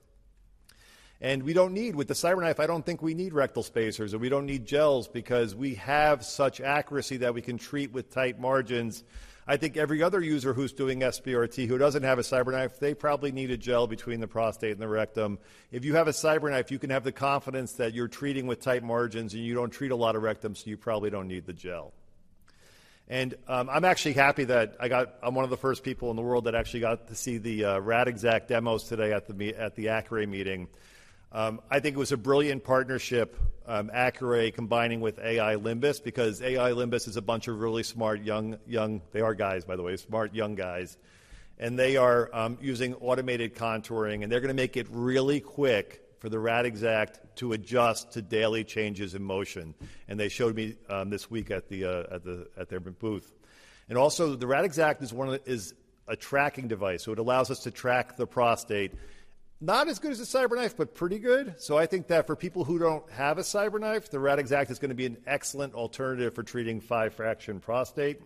And we don't need, with the CyberKnife, I don't think we need rectal spacers, and we don't need gels because we have such accuracy that we can treat with tight margins. I think every other user who's doing SBRT, who doesn't have a CyberKnife, they probably need a gel between the prostate and the rectum. If you have a CyberKnife, you can have the confidence that you're treating with tight margins and you don't treat a lot of rectum, so you probably don't need the gel. I'm actually happy that I'm one of the first people in the world that actually got to see the Radixact demos today at the Accuray meeting. I think it was a brilliant partnership, Accuray combining with Limbus AI, because Limbus AI is a bunch of really smart young guys. They are guys, by the way, smart young guys. And they are using automated contouring, and they're gonna make it really quick for the Radixact to adjust to daily changes in motion, and they showed me this week at their booth. Also, the Radixact is one of the, is a tracking device, so it allows us to track the prostate. Not as good as a CyberKnife, but pretty good. So I think that for people who don't have a CyberKnife, the Radixact is gonna be an excellent alternative for treating five fraction prostate.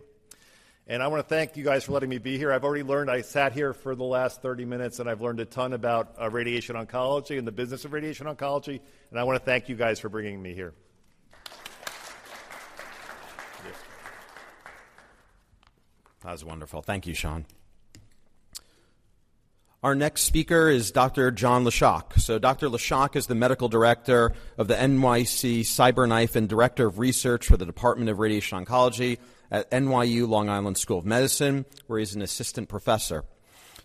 And I wanna thank you guys for letting me be here. I've already learned, I sat here for the last 30 minutes, and I've learned a ton about radiation oncology and the business of radiation oncology, and I wanna thank you guys for bringing me here. That was wonderful. Thank you, Sean. Our next speaker is Dr. Jon Lischalk. So Dr. Lischalk is the Medical Director of the NYC CyberKnife and Director of Research for the Department of Radiation Oncology at NYU Long Island School of Medicine, where he's an assistant professor.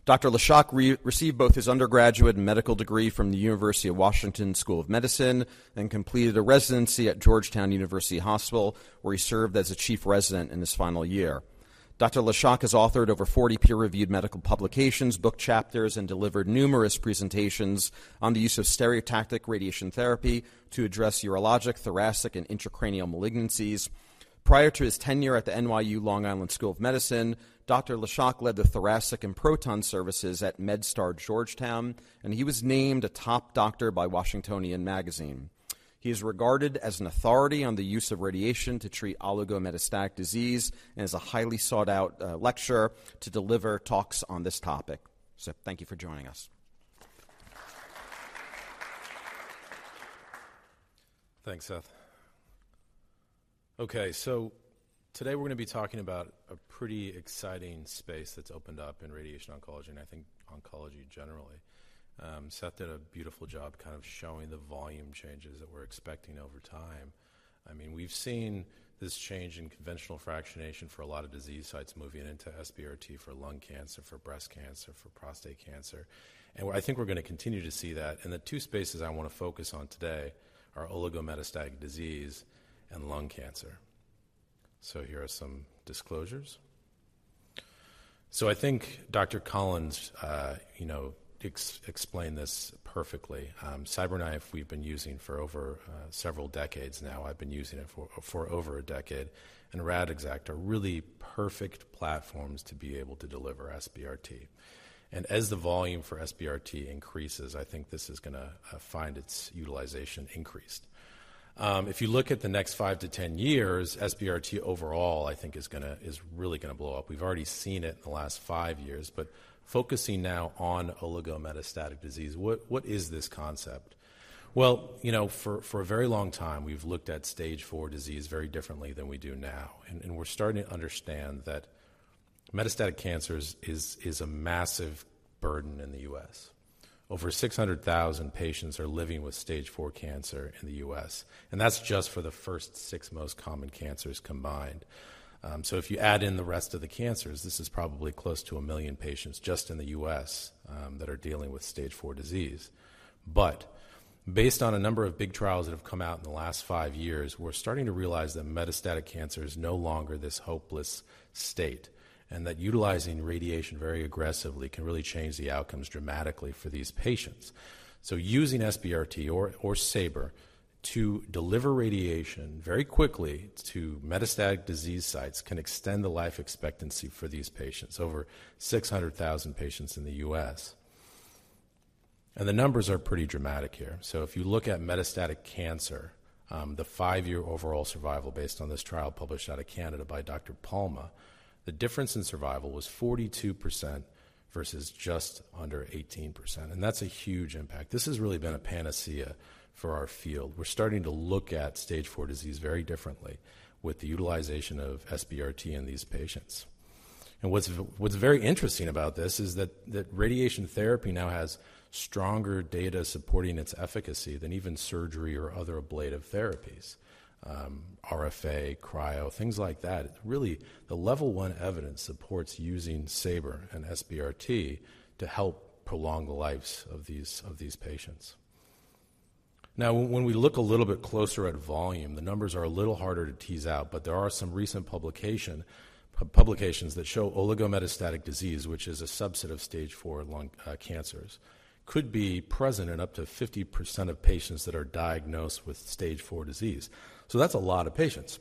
Dr. Lischalk received both his undergraduate and medical degree from the University of Washington School of Medicine and completed a residency at Georgetown University Hospital, where he served as a chief resident in his final year. Dr. Lischalk has authored over 40 peer-reviewed medical publications, book chapters, and delivered numerous presentations on the use of stereotactic radiation therapy to address urologic, thoracic, and intracranial malignancies. Prior to his tenure at the NYU Long Island School of Medicine, Dr. Lischalk led the thoracic and proton services at MedStar Georgetown, and he was named a top doctor by Washingtonian Magazine. He is regarded as an authority on the use of radiation to treat oligometastatic disease and is a highly sought-out lecturer to deliver talks on this topic. So thank you for joining us. Thanks, Seth. Okay, so today we're gonna be talking about a pretty exciting space that's opened up in radiation oncology, and I think oncology generally. Seth did a beautiful job kind of showing the volume changes that we're expecting over time. I mean, we've seen this change in conventional fractionation for a lot of disease sites moving into SBRT for lung cancer, for breast cancer, for prostate cancer. And I think we're gonna continue to see that, and the two spaces I wanna focus on today are oligometastatic disease and lung cancer. So here are some disclosures. So I think Dr. Collins, you know, explained this perfectly. CyberKnife, we've been using for over several decades now. I've been using it for over a decade, and Radixact are really perfect platforms to be able to deliver SBRT. As the volume for SBRT increases, I think this is gonna find its utilization increased. If you look at the next five to 10 years, SBRT overall, I think is gonna, is really gonna blow up. We've already seen it in the last five years, but focusing now on oligometastatic disease, what, what is this concept? Well, you know, for, for a very long time, we've looked stage 4 disease very differently than we do now, and, and we're starting to understand that metastatic cancers is, is a massive burden in the U.S. Over 600,000 patients are living stage 4 cancer in the U.S., and that's just for the first 6 most common cancers combined. So if you add in the rest of the cancers, this is probably close to 1 million patients just in the U.S., that are dealing stage 4 disease. But based on a number of big trials that have come out in the last five years, we're starting to realize that metastatic cancer is no longer this hopeless state, and that utilizing radiation very aggressively can really change the outcomes dramatically for these patients. So using SBRT or, or SABR to deliver radiation very quickly to metastatic disease sites can extend the life expectancy for these patients, over 600,000 patients in the U.S. And the numbers are pretty dramatic here. So if you look at metastatic cancer, the five-year overall survival based on this trial published out of Canada by Dr. Palma, the difference in survival was 42% versus just under 18%, and that's a huge impact. This has really been a panacea for our field. We're starting to look stage 4 disease very differently with the utilization of SBRT in these patients. And what's very interesting about this is that radiation therapy now has stronger data supporting its efficacy than even surgery or other ablative therapies. RFA, cryo, things like that. Really, the level one evidence supports using SABR and SBRT to help prolong the lives of these patients. Now, when we look a little bit closer at volume, the numbers are a little harder to tease out, but there are some recent publications that show oligometastatic disease, which is a subset stage 4 lung cancers, could be present in up to 50% of patients that are diagnosed stage 4 disease. So that's a lot of patients....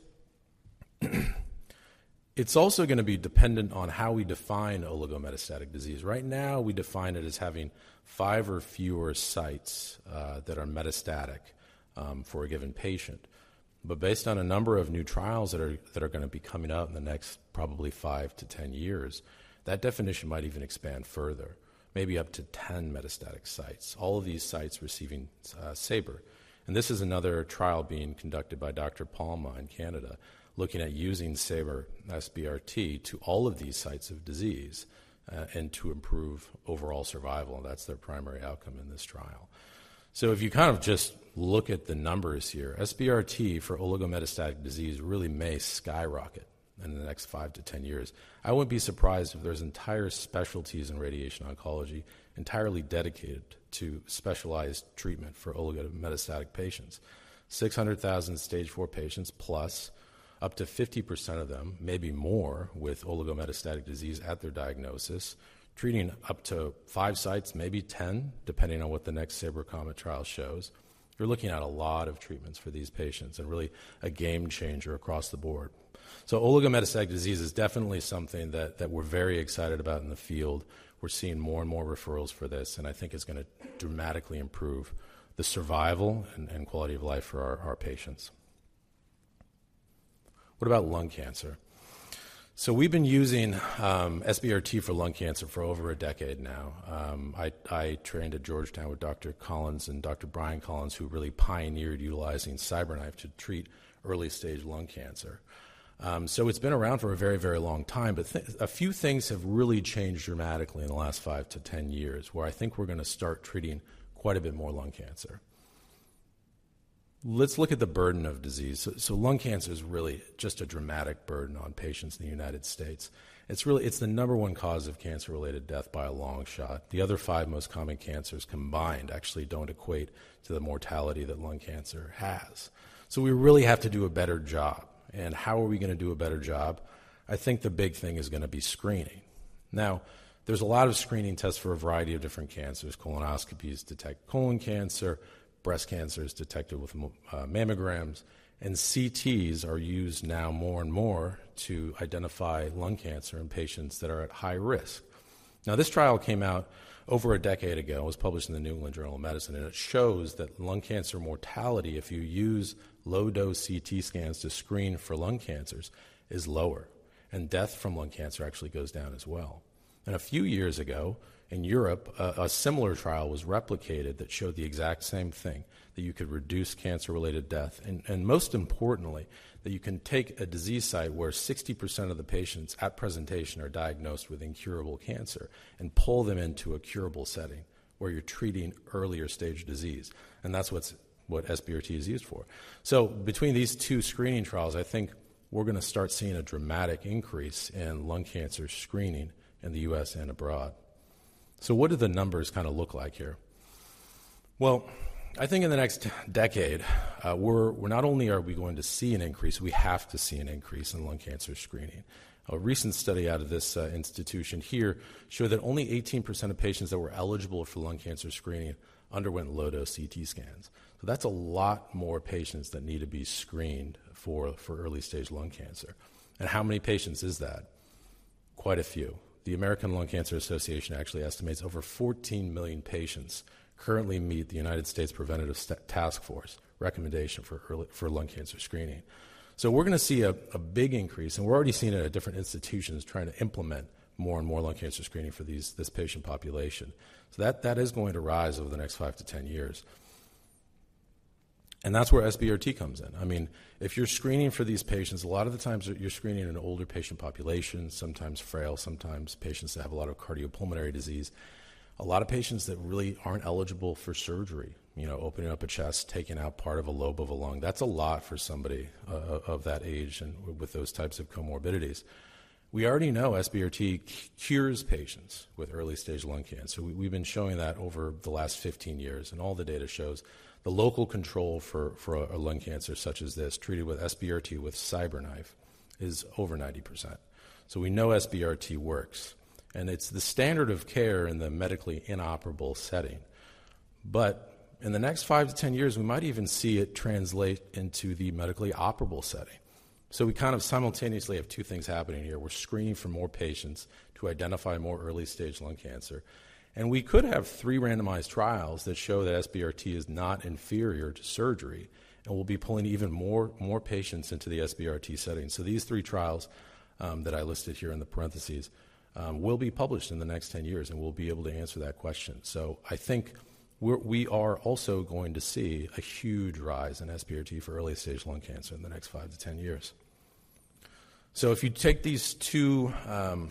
It's also gonna be dependent on how we define oligometastatic disease. Right now, we define it as having five or fewer sites that are metastatic for a given patient. But based on a number of new trials that are gonna be coming out in the next probably five to 10 years, that definition might even expand further, maybe up to 10 metastatic sites, all of these sites receiving SABR. And this is another trial being conducted by Dr. Palma in Canada, looking at using SABR, SBRT, to all of these sites of disease, and to improve overall survival. That's their primary outcome in this trial. So if you kind of just look at the numbers here, SBRT for oligometastatic disease really may skyrocket in the next five to 10 years. I wouldn't be surprised if there's entire specialties in radiation oncology entirely dedicated to specialized treatment for oligometastatic patients. stage 4 patients, plus up to 50% of them, maybe more, with oligometastatic disease at their diagnosis, treating up to five sites, maybe 10, depending on what the next SABR-COMET Trial shows. You're looking at a lot of treatments for these patients and really a game changer across the board. So oligometastatic disease is definitely something that we're very excited about in the field. We're seeing more and more referrals for this, and I think it's gonna dramatically improve the survival and, and quality of life for our, our patients. What about lung cancer? So we've been using SBRT for lung cancer for over a decade now. I trained at Georgetown with Dr. Collins and Dr. Brian Collins, who really pioneered utilizing CyberKnife to treat early-stage lung cancer. So it's been around for a very, very long time, but a few things have really changed dramatically in the last five to 10 years, where I think we're gonna start treating quite a bit more lung cancer. Let's look at the burden of disease. So lung cancer is really just a dramatic burden on patients in the United States. It's really, it's the number one cause of cancer-related death by a long shot. The other five most common cancers combined actually don't equate to the mortality that lung cancer has. So we really have to do a better job, and how are we gonna do a better job? I think the big thing is gonna be screening. Now, there's a lot of screening tests for a variety of different cancers. Colonoscopies detect colon cancer, breast cancer is detected with mammograms, and CTs are used now more and more to identify lung cancer in patients that are at high risk. Now, this trial came out over a decade ago. It was published in The New England Journal of Medicine, and it shows that lung cancer mortality, if you use low-dose CT scans to screen for lung cancers, is lower, and death from lung cancer actually goes down as well. A few years ago, in Europe, a similar trial was replicated that showed the exact same thing, that you could reduce cancer-related death, and most importantly, that you can take a disease site where 60% of the patients at presentation are diagnosed with incurable cancer and pull them into a curable setting where you're treating earlier stage disease. And that's what SBRT is used for. So between these two screening trials, I think we're gonna start seeing a dramatic increase in lung cancer screening in the U.S. and abroad. So what do the numbers kinda look like here? Well, I think in the next decade, we're not only are we going to see an increase, we have to see an increase in lung cancer screening. A recent study out of this institution here showed that only 18% of patients that were eligible for lung cancer screening underwent low-dose CT scans. So that's a lot more patients that need to be screened for early-stage lung cancer. And how many patients is that? Quite a few. The American Lung Cancer Association actually estimates over 14 million patients currently meet the United States Preventive Services Task Force recommendation for early lung cancer screening. So we're gonna see a big increase, and we're already seeing it at different institutions trying to implement more and more lung cancer screening for this patient population. So that is going to rise over the next five to 10 years. And that's where SBRT comes in. I mean, if you're screening for these patients, a lot of the times you're screening an older patient population, sometimes frail, sometimes patients that have a lot of cardiopulmonary disease, a lot of patients that really aren't eligible for surgery. You know, opening up a chest, taking out part of a lobe of a lung, that's a lot for somebody of that age and with those types of comorbidities. We already know SBRT cures patients with early-stage lung cancer. We've been showing that over the last 15 years, and all the data shows the local control for a lung cancer such as this, treated with SBRT, with CyberKnife, is over 90%. So we know SBRT works, and it's the standard of care in the medically inoperable setting. But in the next five to 10 years, we might even see it translate into the medically operable setting. So we kind of simultaneously have two things happening here. We're screening for more patients to identify more early-stage lung cancer, and we could have three randomized trials that show that SBRT is not inferior to surgery and will be pulling even more, more patients into the SBRT setting. So these three trials that I listed here in the parentheses will be published in the next 10 years, and we'll be able to answer that question. So I think we're, we are also going to see a huge rise in SBRT for early-stage lung cancer in the next five to 10 years. So if you take these two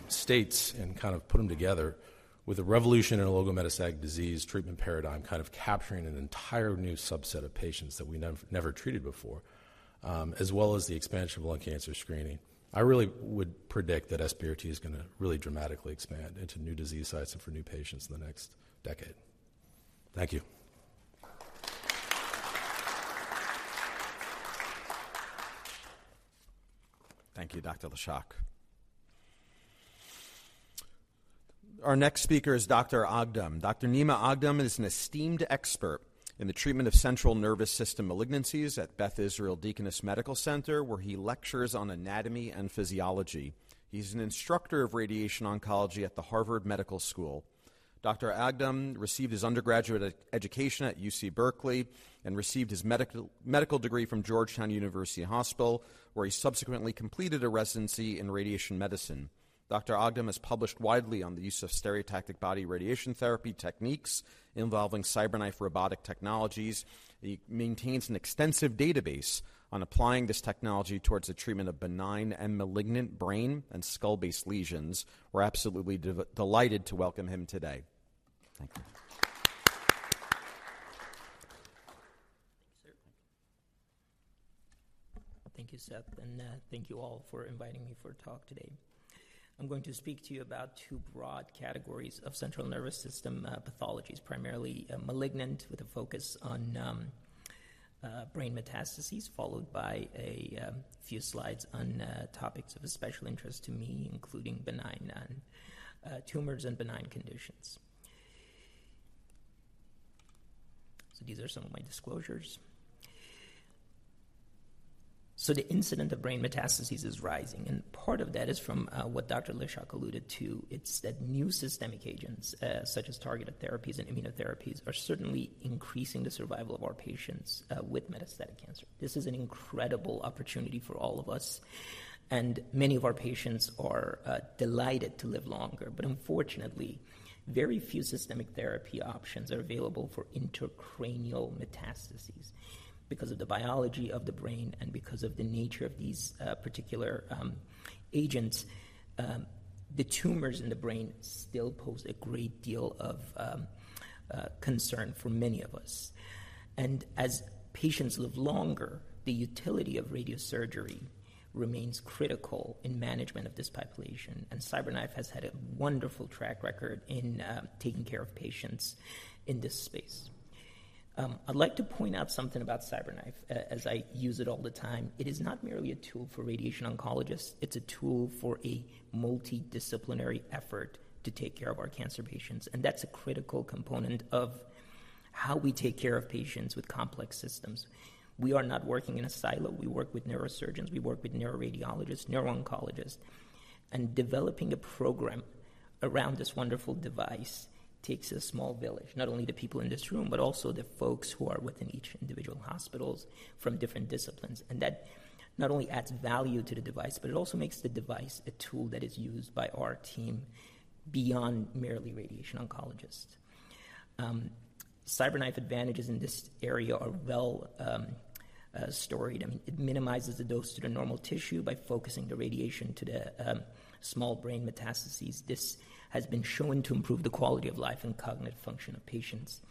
states and kind of put them together with a revolution in oligometastatic disease treatment paradigm, kind of capturing an entire new subset of patients that we never, never treated before, as well as the expansion of lung cancer screening, I really would predict that SBRT is gonna really dramatically expand into new disease sites and for new patients in the next decade. Thank you. Thank you, Dr. Lischalk. Our next speaker is Dr. Aghdam. Dr. Nima Aghdam is an esteemed expert in the treatment of central nervous system malignancies at Beth Israel Deaconess Medical Center, where he lectures on anatomy and physiology. He's an instructor of radiation oncology at the Harvard Medical School. Dr. Aghdam received his undergraduate education at UC Berkeley and received his medical degree from Georgetown University Hospital, where he subsequently completed a residency in radiation medicine. Dr. Aghdam has published widely on the use of stereotactic body radiation therapy techniques involving CyberKnife robotic technologies. He maintains an extensive database on applying this technology towards the treatment of benign and malignant brain and skull-based lesions. We're absolutely delighted to welcome him today. Thank you. Thank you, sir. Thank you, Seth, and thank you all for inviting me for a talk today. I'm going to speak to you about two broad categories of central nervous system pathologies, primarily malignant, with a focus on brain metastases, followed by a few slides on topics of special interest to me, including benign and tumors and benign conditions. These are some of my disclosures. The incidence of brain metastases is rising, and part of that is from what Dr. Lischalk alluded to. It's that new systemic agents such as targeted therapies and immunotherapies are certainly increasing the survival of our patients with metastatic cancer. This is an incredible opportunity for all of us, and many of our patients are delighted to live longer. But unfortunately, very few systemic therapy options are available for intracranial metastases. Because of the biology of the brain and because of the nature of these particular agents, the tumors in the brain still pose a great deal of concern for many of us. And as patients live longer, the utility of radiosurgery remains critical in management of this population, and CyberKnife has had a wonderful track record in taking care of patients in this space. I'd like to point out something about CyberKnife as I use it all the time. It is not merely a tool for radiation oncologists. It's a tool for a multidisciplinary effort to take care of our cancer patients, and that's a critical component of how we take care of patients with complex systems. We are not working in a silo. We work with neurosurgeons, we work with neuroradiologists, neuro-oncologists, and developing a program around this wonderful device takes a small village. Not only the people in this room, but also the folks who are within each individual hospitals from different disciplines. And that not only adds value to the device, but it also makes the device a tool that is used by our team beyond merely radiation oncologists. CyberKnife advantages in this area are well storied. I mean, it minimizes the dose to the normal tissue by focusing the radiation to the small brain metastases. This has been shown to improve the quality of life and cognitive function of patients.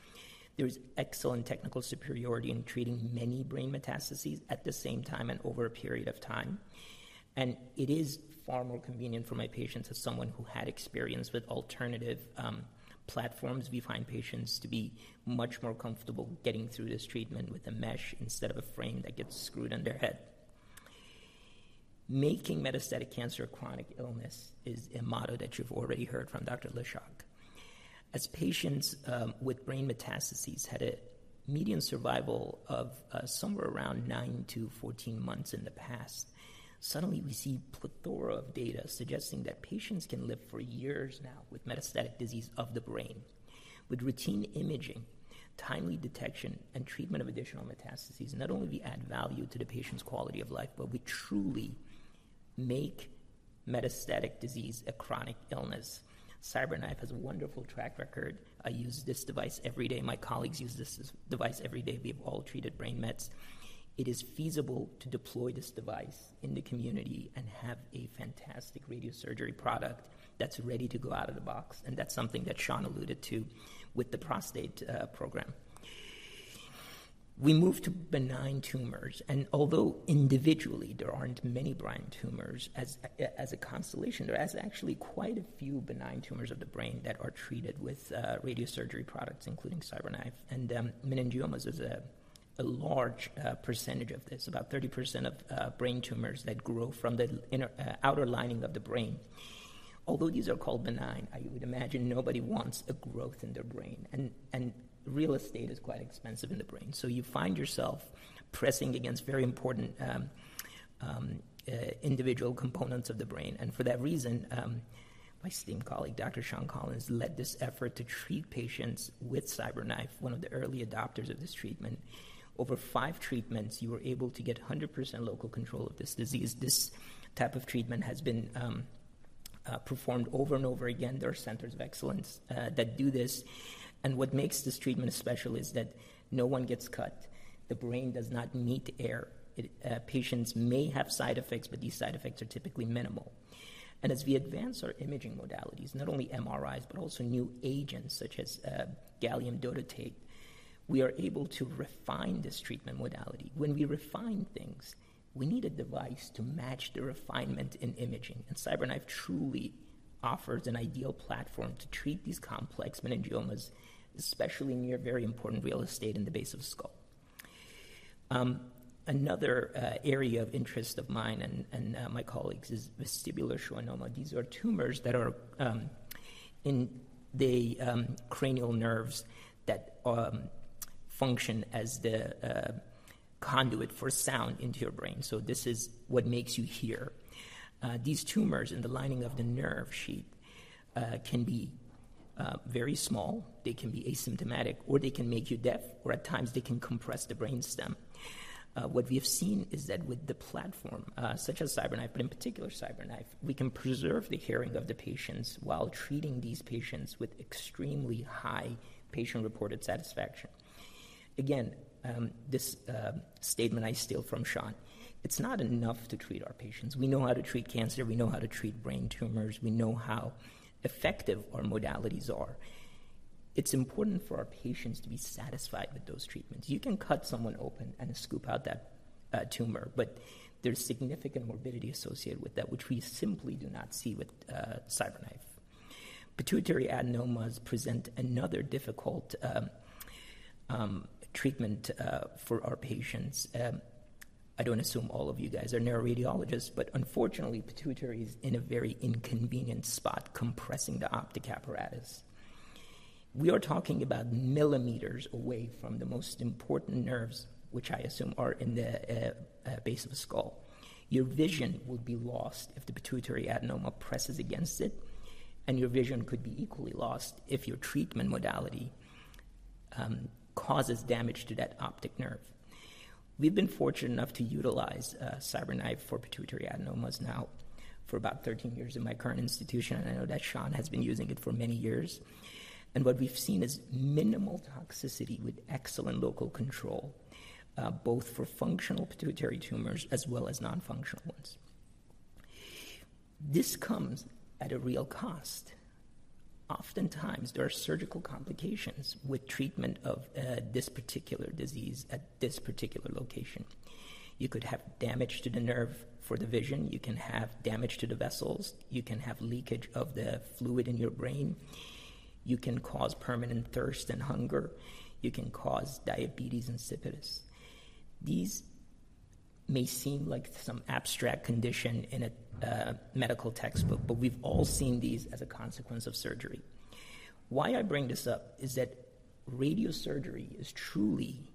There is excellent technical superiority in treating many brain metastases at the same time and over a period of time, and it is far more convenient for my patients. As someone who had experience with alternative platforms, we find patients to be much more comfortable getting through this treatment with a mesh instead of a frame that gets screwed in their head. Making metastatic cancer a chronic illness is a motto that you've already heard from Dr. Lischalk. As patients with brain metastases had a median survival of somewhere around nine to 14 months in the past, suddenly we see plethora of data suggesting that patients can live for years now with metastatic disease of the brain. With routine imaging, timely detection, and treatment of additional metastases, not only we add value to the patient's quality of life, but we truly make metastatic disease a chronic illness. CyberKnife has a wonderful track record. I use this device every day. My colleagues use this device every day. We've all treated brain mets. It is feasible to deploy this device in the community and have a fantastic radiosurgery product that's ready to go out of the box, and that's something that Sean alluded to with the prostate program. We move to benign tumors, and although individually, there aren't many brain tumors, as a constellation, there is actually quite a few benign tumors of the brain that are treated with radiosurgery products, including CyberKnife and meningiomas is a large percentage of this, about 30% of brain tumors that grow from the inner outer lining of the brain. Although these are called benign, I would imagine nobody wants a growth in their brain, and real estate is quite expensive in the brain. So you find yourself pressing against very important individual components of the brain. And for that reason, my esteemed colleague, Dr. Sean Collins, led this effort to treat patients with CyberKnife, one of the early adopters of this treatment. Over five treatments, you were able to get 100% local control of this disease. This type of treatment has been performed over and over again. There are centers of excellence that do this, and what makes this treatment special is that no one gets cut. The brain does not need air. Patients may have side effects, but these side effects are typically minimal. And as we advance our imaging modalities, not only MRIs, but also new agents such as gallium dotatate, we are able to refine this treatment modality. When we refine things, we need a device to match the refinement in imaging, and CyberKnife truly offers an ideal platform to treat these complex meningiomas, especially near very important real estate in the base of the skull... Another area of interest of mine and my colleagues is vestibular schwannoma. These are tumors that are in the cranial nerves that function as the conduit for sound into your brain. So this is what makes you hear. These tumors in the lining of the nerve sheath can be very small. They can be asymptomatic, or they can make you deaf, or at times they can compress the brain stem. What we have seen is that with the platform, such as CyberKnife, but in particular CyberKnife, we can preserve the hearing of the patients while treating these patients with extremely high patient-reported satisfaction. Again, this statement I steal from Sean, it's not enough to treat our patients. We know how to treat cancer. We know how to treat brain tumors. We know how effective our modalities are. It's important for our patients to be satisfied with those treatments. You can cut someone open and scoop out that tumor, but there's significant morbidity associated with that, which we simply do not see with CyberKnife. pituitary adenomas present another difficult treatment for our patients. I don't assume all of you guys are neuroradiologists, but unfortunately, pituitary is in a very inconvenient spot, compressing the optic apparatus. We are talking about millimeters away from the most important nerves, which I assume are in the base of the skull. Your vision will be lost if the pituitary adenoma presses against it, and your vision could be equally lost if your treatment modality causes damage to that optic nerve. We've been fortunate enough to utilize CyberKnife for pituitary adenomas now for about 13 years in my current institution, and I know that Sean has been using it for many years. What we've seen is minimal toxicity with excellent local control both for functional pituitary tumors as well as non-functional ones. This comes at a real cost. Oftentimes, there are surgical complications with treatment of this particular disease at this particular location. You could have damage to the nerve for the vision, you can have damage to the vessels, you can have leakage of the fluid in your brain, you can cause permanent thirst and hunger, you can cause diabetes insipidus. These may seem like some abstract condition in a medical textbook, but we've all seen these as a consequence of surgery. Why I bring this up is that radiosurgery is truly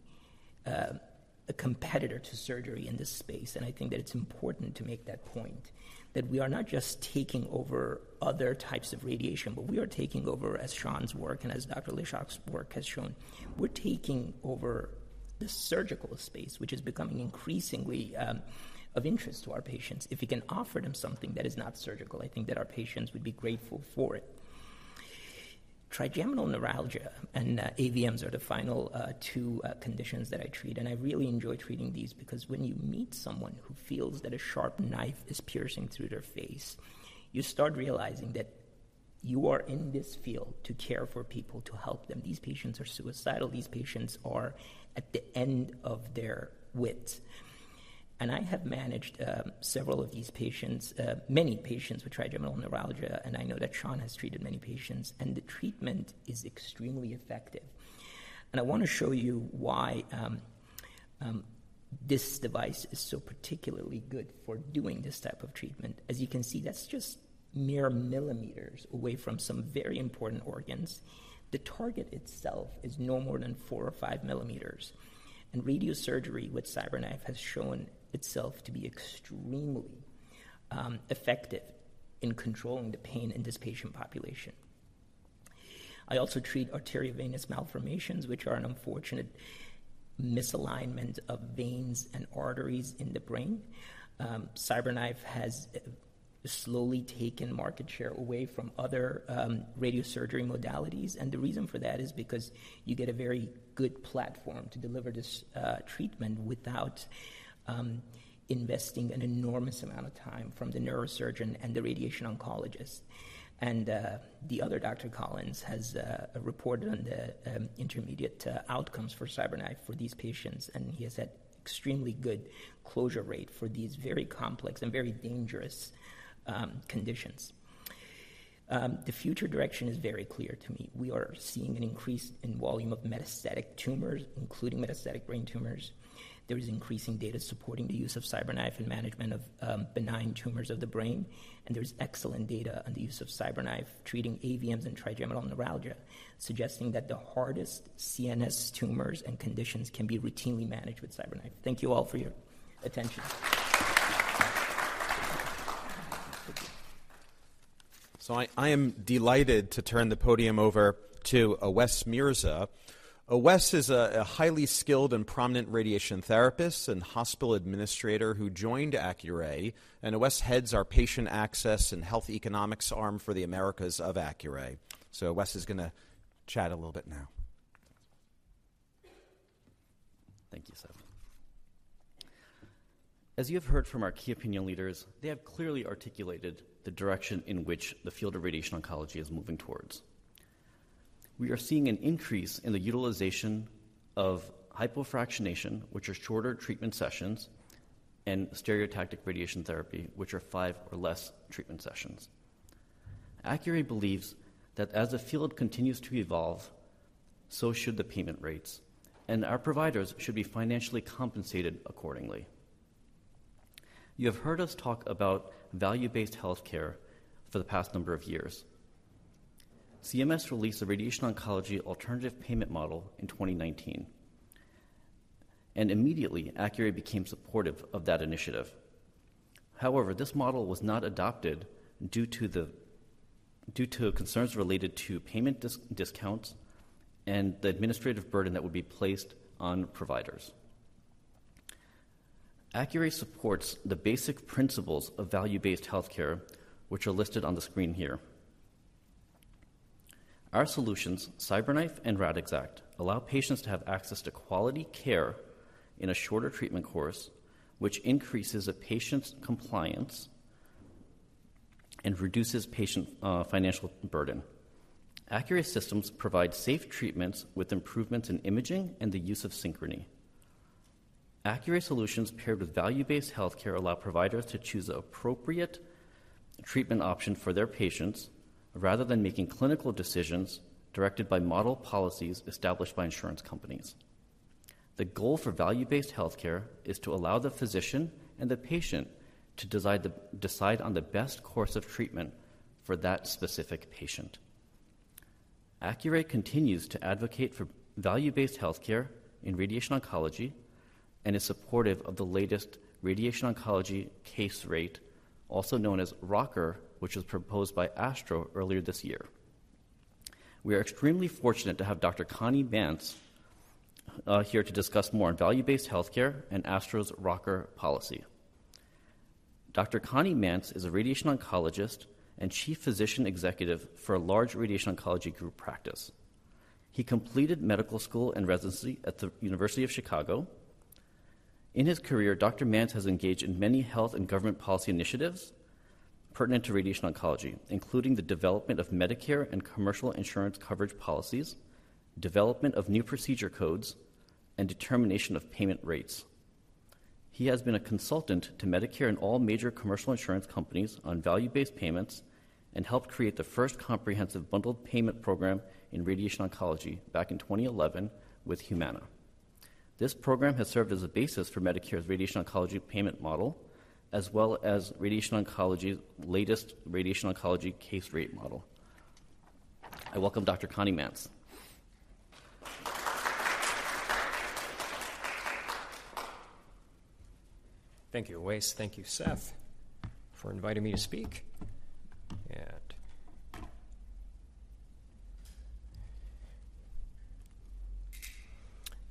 a competitor to surgery in this space, and I think that it's important to make that point. That we are not just taking over other types of radiation, but we are taking over, as Sean's work and as Dr. Lischalk's work has shown, we're taking over the surgical space, which is becoming increasingly of interest to our patients. If we can offer them something that is not surgical, I think that our patients would be grateful for it. Trigeminal neuralgia and AVMs are the final two conditions that I treat, and I really enjoy treating these because when you meet someone who feels that a sharp knife is piercing through their face, you start realizing that you are in this field to care for people, to help them. These patients are suicidal. These patients are at the end of their wit. And I have managed several of these patients, many patients with trigeminal neuralgia, and I know that Sean has treated many patients, and the treatment is extremely effective. And I want to show you why this device is so particularly good for doing this type of treatment. As you can see, that's just mere millimeters away from some very important organs. The target itself is no more than four or five millimeters, and radiosurgery with CyberKnife has shown itself to be extremely effective in controlling the pain in this patient population. I also treat arteriovenous malformations, which are an unfortunate misalignment of veins and arteries in the brain. CyberKnife has slowly taken market share away from other radiosurgery modalities, and the reason for that is because you get a very good platform to deliver this treatment without investing an enormous amount of time from the neurosurgeon and the radiation oncologist. And the other Dr. Collins has a report on the intermediate outcomes for CyberKnife for these patients, and he has had extremely good closure rate for these very complex and very dangerous conditions. The future direction is very clear to me. We are seeing an increase in volume of metastatic tumors, including metastatic brain tumors. There is increasing data supporting the use of CyberKnife in management of benign tumors of the brain, and there's excellent data on the use of CyberKnife treating AVMs and trigeminal neuralgia, suggesting that the hardest CNS tumors and conditions can be routinely managed with CyberKnife. Thank you all for your attention. So I, I am delighted to turn the podium over to Awais Mirza. Awais is a highly skilled and prominent radiation therapist and hospital administrator who joined Accuray, and Awais heads our patient access and health economics arm for the Americas of Accuray. So Awais is gonna chat a little bit now. Thank you, Seth. As you have heard from our key opinion leaders, they have clearly articulated the direction in which the field of radiation oncology is moving towards. We are seeing an increase in the utilization of hypofractionation, which are shorter treatment sessions, and stereotactic radiation therapy, which are five or less treatment sessions.... Accuray believes that as the field continues to evolve, so should the payment rates, and our providers should be financially compensated accordingly. You have heard us talk about value-based healthcare for the past number of years. CMS released a radiation oncology alternative payment model in 2019, and immediately, Accuray became supportive of that initiative. However, this model was not adopted due to concerns related to payment discounts and the administrative burden that would be placed on providers. Accuray supports the basic principles of value-based healthcare, which are listed on the screen here. Our solutions, CyberKnife and Radixact, allow patients to have access to quality care in a shorter treatment course, which increases a patient's compliance and reduces patient, financial burden. Accuray systems provide safe treatments with improvements in imaging and the use of Synchrony. Accuray solutions, paired with value-based healthcare, allow providers to choose the appropriate treatment option for their patients rather than making clinical decisions directed by model policies established by insurance companies. The goal for value-based healthcare is to allow the physician and the patient to decide the, decide on the best course of treatment for that specific patient. Accuray continues to advocate for value-based healthcare in radiation oncology and is supportive of the latest Radiation Oncology Case Rate, also known as ROCR, which was proposed by ASTRO earlier this year. We are extremely fortunate to have Dr. Connie Mantz here to discuss more on value-based healthcare and ASTRO's ROCR policy. Dr. Connie Mantz is a radiation oncologist and chief physician executive for a large radiation oncology group practice. He completed medical school and residency at the University of Chicago. In his career, Dr. Mantz has engaged in many health and government policy initiatives pertinent to radiation oncology, including the development of Medicare and commercial insurance coverage policies, development of new procedure codes, and determination of payment rates. He has been a consultant to Medicare and all major commercial insurance companies on value-based payments and helped create the first comprehensive bundled payment program in radiation oncology back in 2011 with Humana. This program has served as a basis for Medicare's radiation oncology payment model, as well as radiation oncology's latest Radiation Oncology Case Rate model. I welcome Dr. Connie Mantz. Thank you, Awais. Thank you, Seth, for inviting me to speak.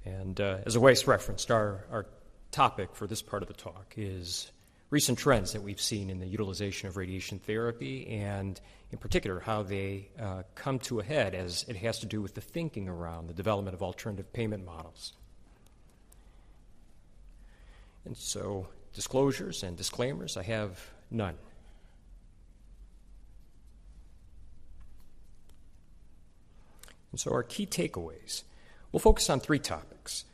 As Awais referenced, our topic for this part of the talk is recent trends that we've seen in the utilization of radiation therapy and in particular, how they come to a head as it has to do with the thinking around the development of alternative payment models. Disclosures and disclaimers, I have none. Our key takeaways: We'll focus on three topics.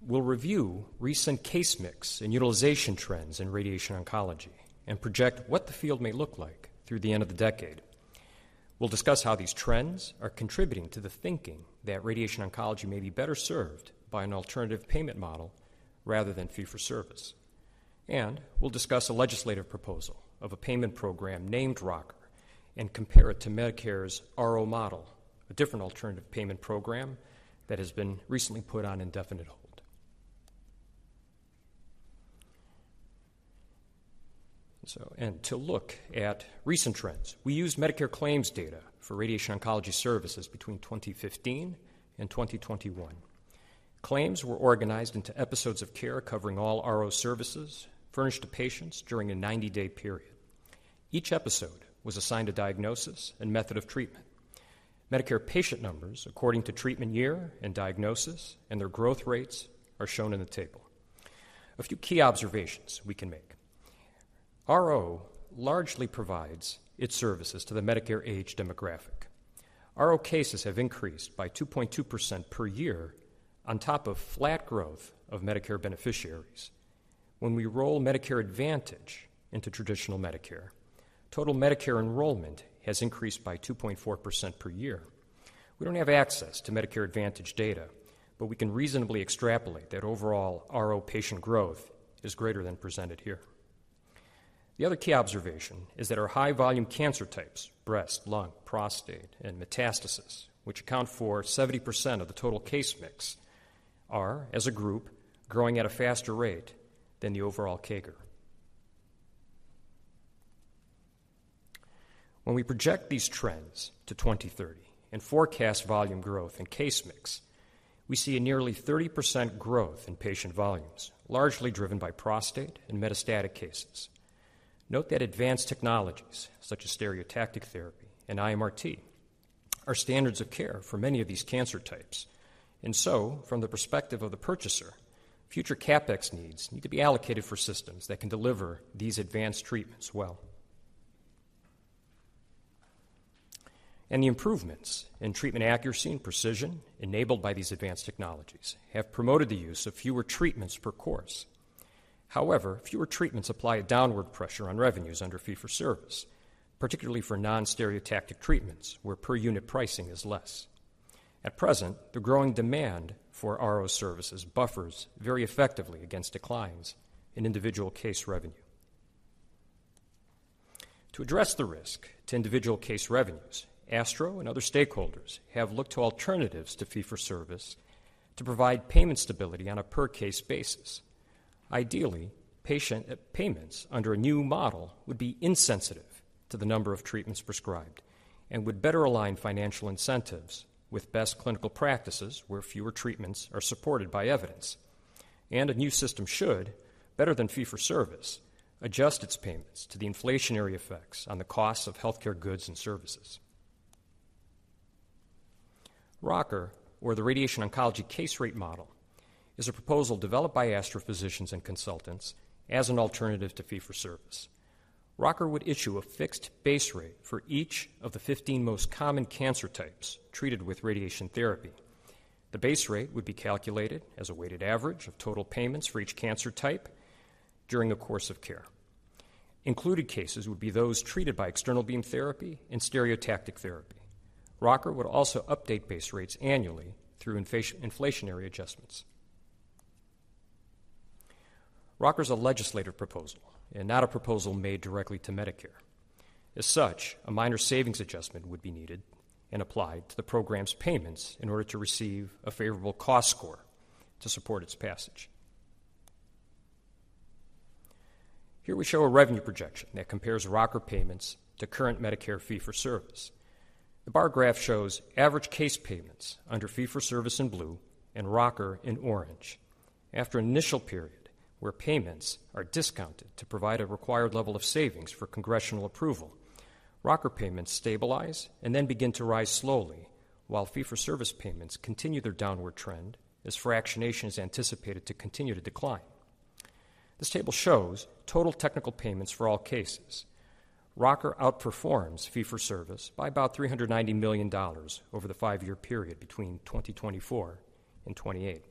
We'll review recent case mix and utilization trends in radiation oncology and project what the field may look like through the end of the decade. We'll discuss how these trends are contributing to the thinking that radiation oncology may be better served by an alternative payment model rather than fee-for-service. We'll discuss a legislative proposal of a payment program named ROCR and compare it to Medicare's RO Model, a different alternative payment program that has been recently put on indefinite hold. To look at recent trends, we used Medicare claims data for radiation oncology services between 2015 and 2021. Claims were organized into episodes of care covering all RO services furnished to patients during a 90-day period. Each episode was assigned a diagnosis and method of treatment. Medicare patient numbers, according to treatment year and diagnosis, and their growth rates are shown in the table. A few key observations we can make. RO largely provides its services to the Medicare age demographic. RO cases have increased by 2.2% per year on top of flat growth of Medicare beneficiaries. When we roll Medicare Advantage into traditional Medicare, total Medicare enrollment has increased by 2.4% per year. We don't have access to Medicare Advantage data, but we can reasonably extrapolate that overall RO patient growth is greater than presented here. The other key observation is that our high-volume cancer types, breast, lung, prostate, and metastasis, which account for 70% of the total case mix, are, as a group, growing at a faster rate than the overall CAGR. When we project these trends to 2030 and forecast volume growth and case mix, we see a nearly 30% growth in patient volumes, largely driven by prostate and metastatic cases. Note that advanced technologies such as stereotactic therapy and IMRT are standards of care for many of these cancer types, and so from the perspective of the purchaser, future CapEx needs need to be allocated for systems that can deliver these advanced treatments well. The improvements in treatment accuracy and precision enabled by these advanced technologies have promoted the use of fewer treatments per course.... However, fewer treatments apply a downward pressure on revenues under fee-for-service, particularly for non-stereotactic treatments, where per-unit pricing is less. At present, the growing demand for RO services buffers very effectively against declines in individual case revenue. To address the risk to individual case revenues, ASTRO and other stakeholders have looked to alternatives to fee-for-service to provide payment stability on a per-case basis. Ideally, patient payments under a new model would be insensitive to the number of treatments prescribed and would better align financial incentives with best clinical practices, where fewer treatments are supported by evidence. A new system should, better than fee-for-service, adjust its payments to the inflationary effects on the costs of healthcare goods and services. ROCR, or the Radiation Oncology Case Rate Model, is a proposal developed by ASTRO physicians and consultants as an alternative to fee-for-service. ROCR would issue a fixed base rate for each of the 15 most common cancer types treated with radiation therapy. The base rate would be calculated as a weighted average of total payments for each cancer type during a course of care. Included cases would be those treated by external beam therapy and stereotactic therapy. ROCR would also update base rates annually through inflationary adjustments. ROCR is a legislative proposal and not a proposal made directly to Medicare. As such, a minor savings adjustment would be needed and applied to the program's payments in order to receive a favorable cost score to support its passage. Here we show a revenue projection that compares ROCR payments to current Medicare fee-for-service. The bar graph shows average case payments under fee-for-service in blue and ROCR in orange. After an initial period where payments are discounted to provide a required level of savings for congressional approval, ROCR payments stabilize and then begin to rise slowly, while fee-for-service payments continue their downward trend as fractionation is anticipated to continue to decline. This table shows total technical payments for all cases. ROCR outperforms fee-for-service by about $390 million over the five-year period between 2024 and 2028.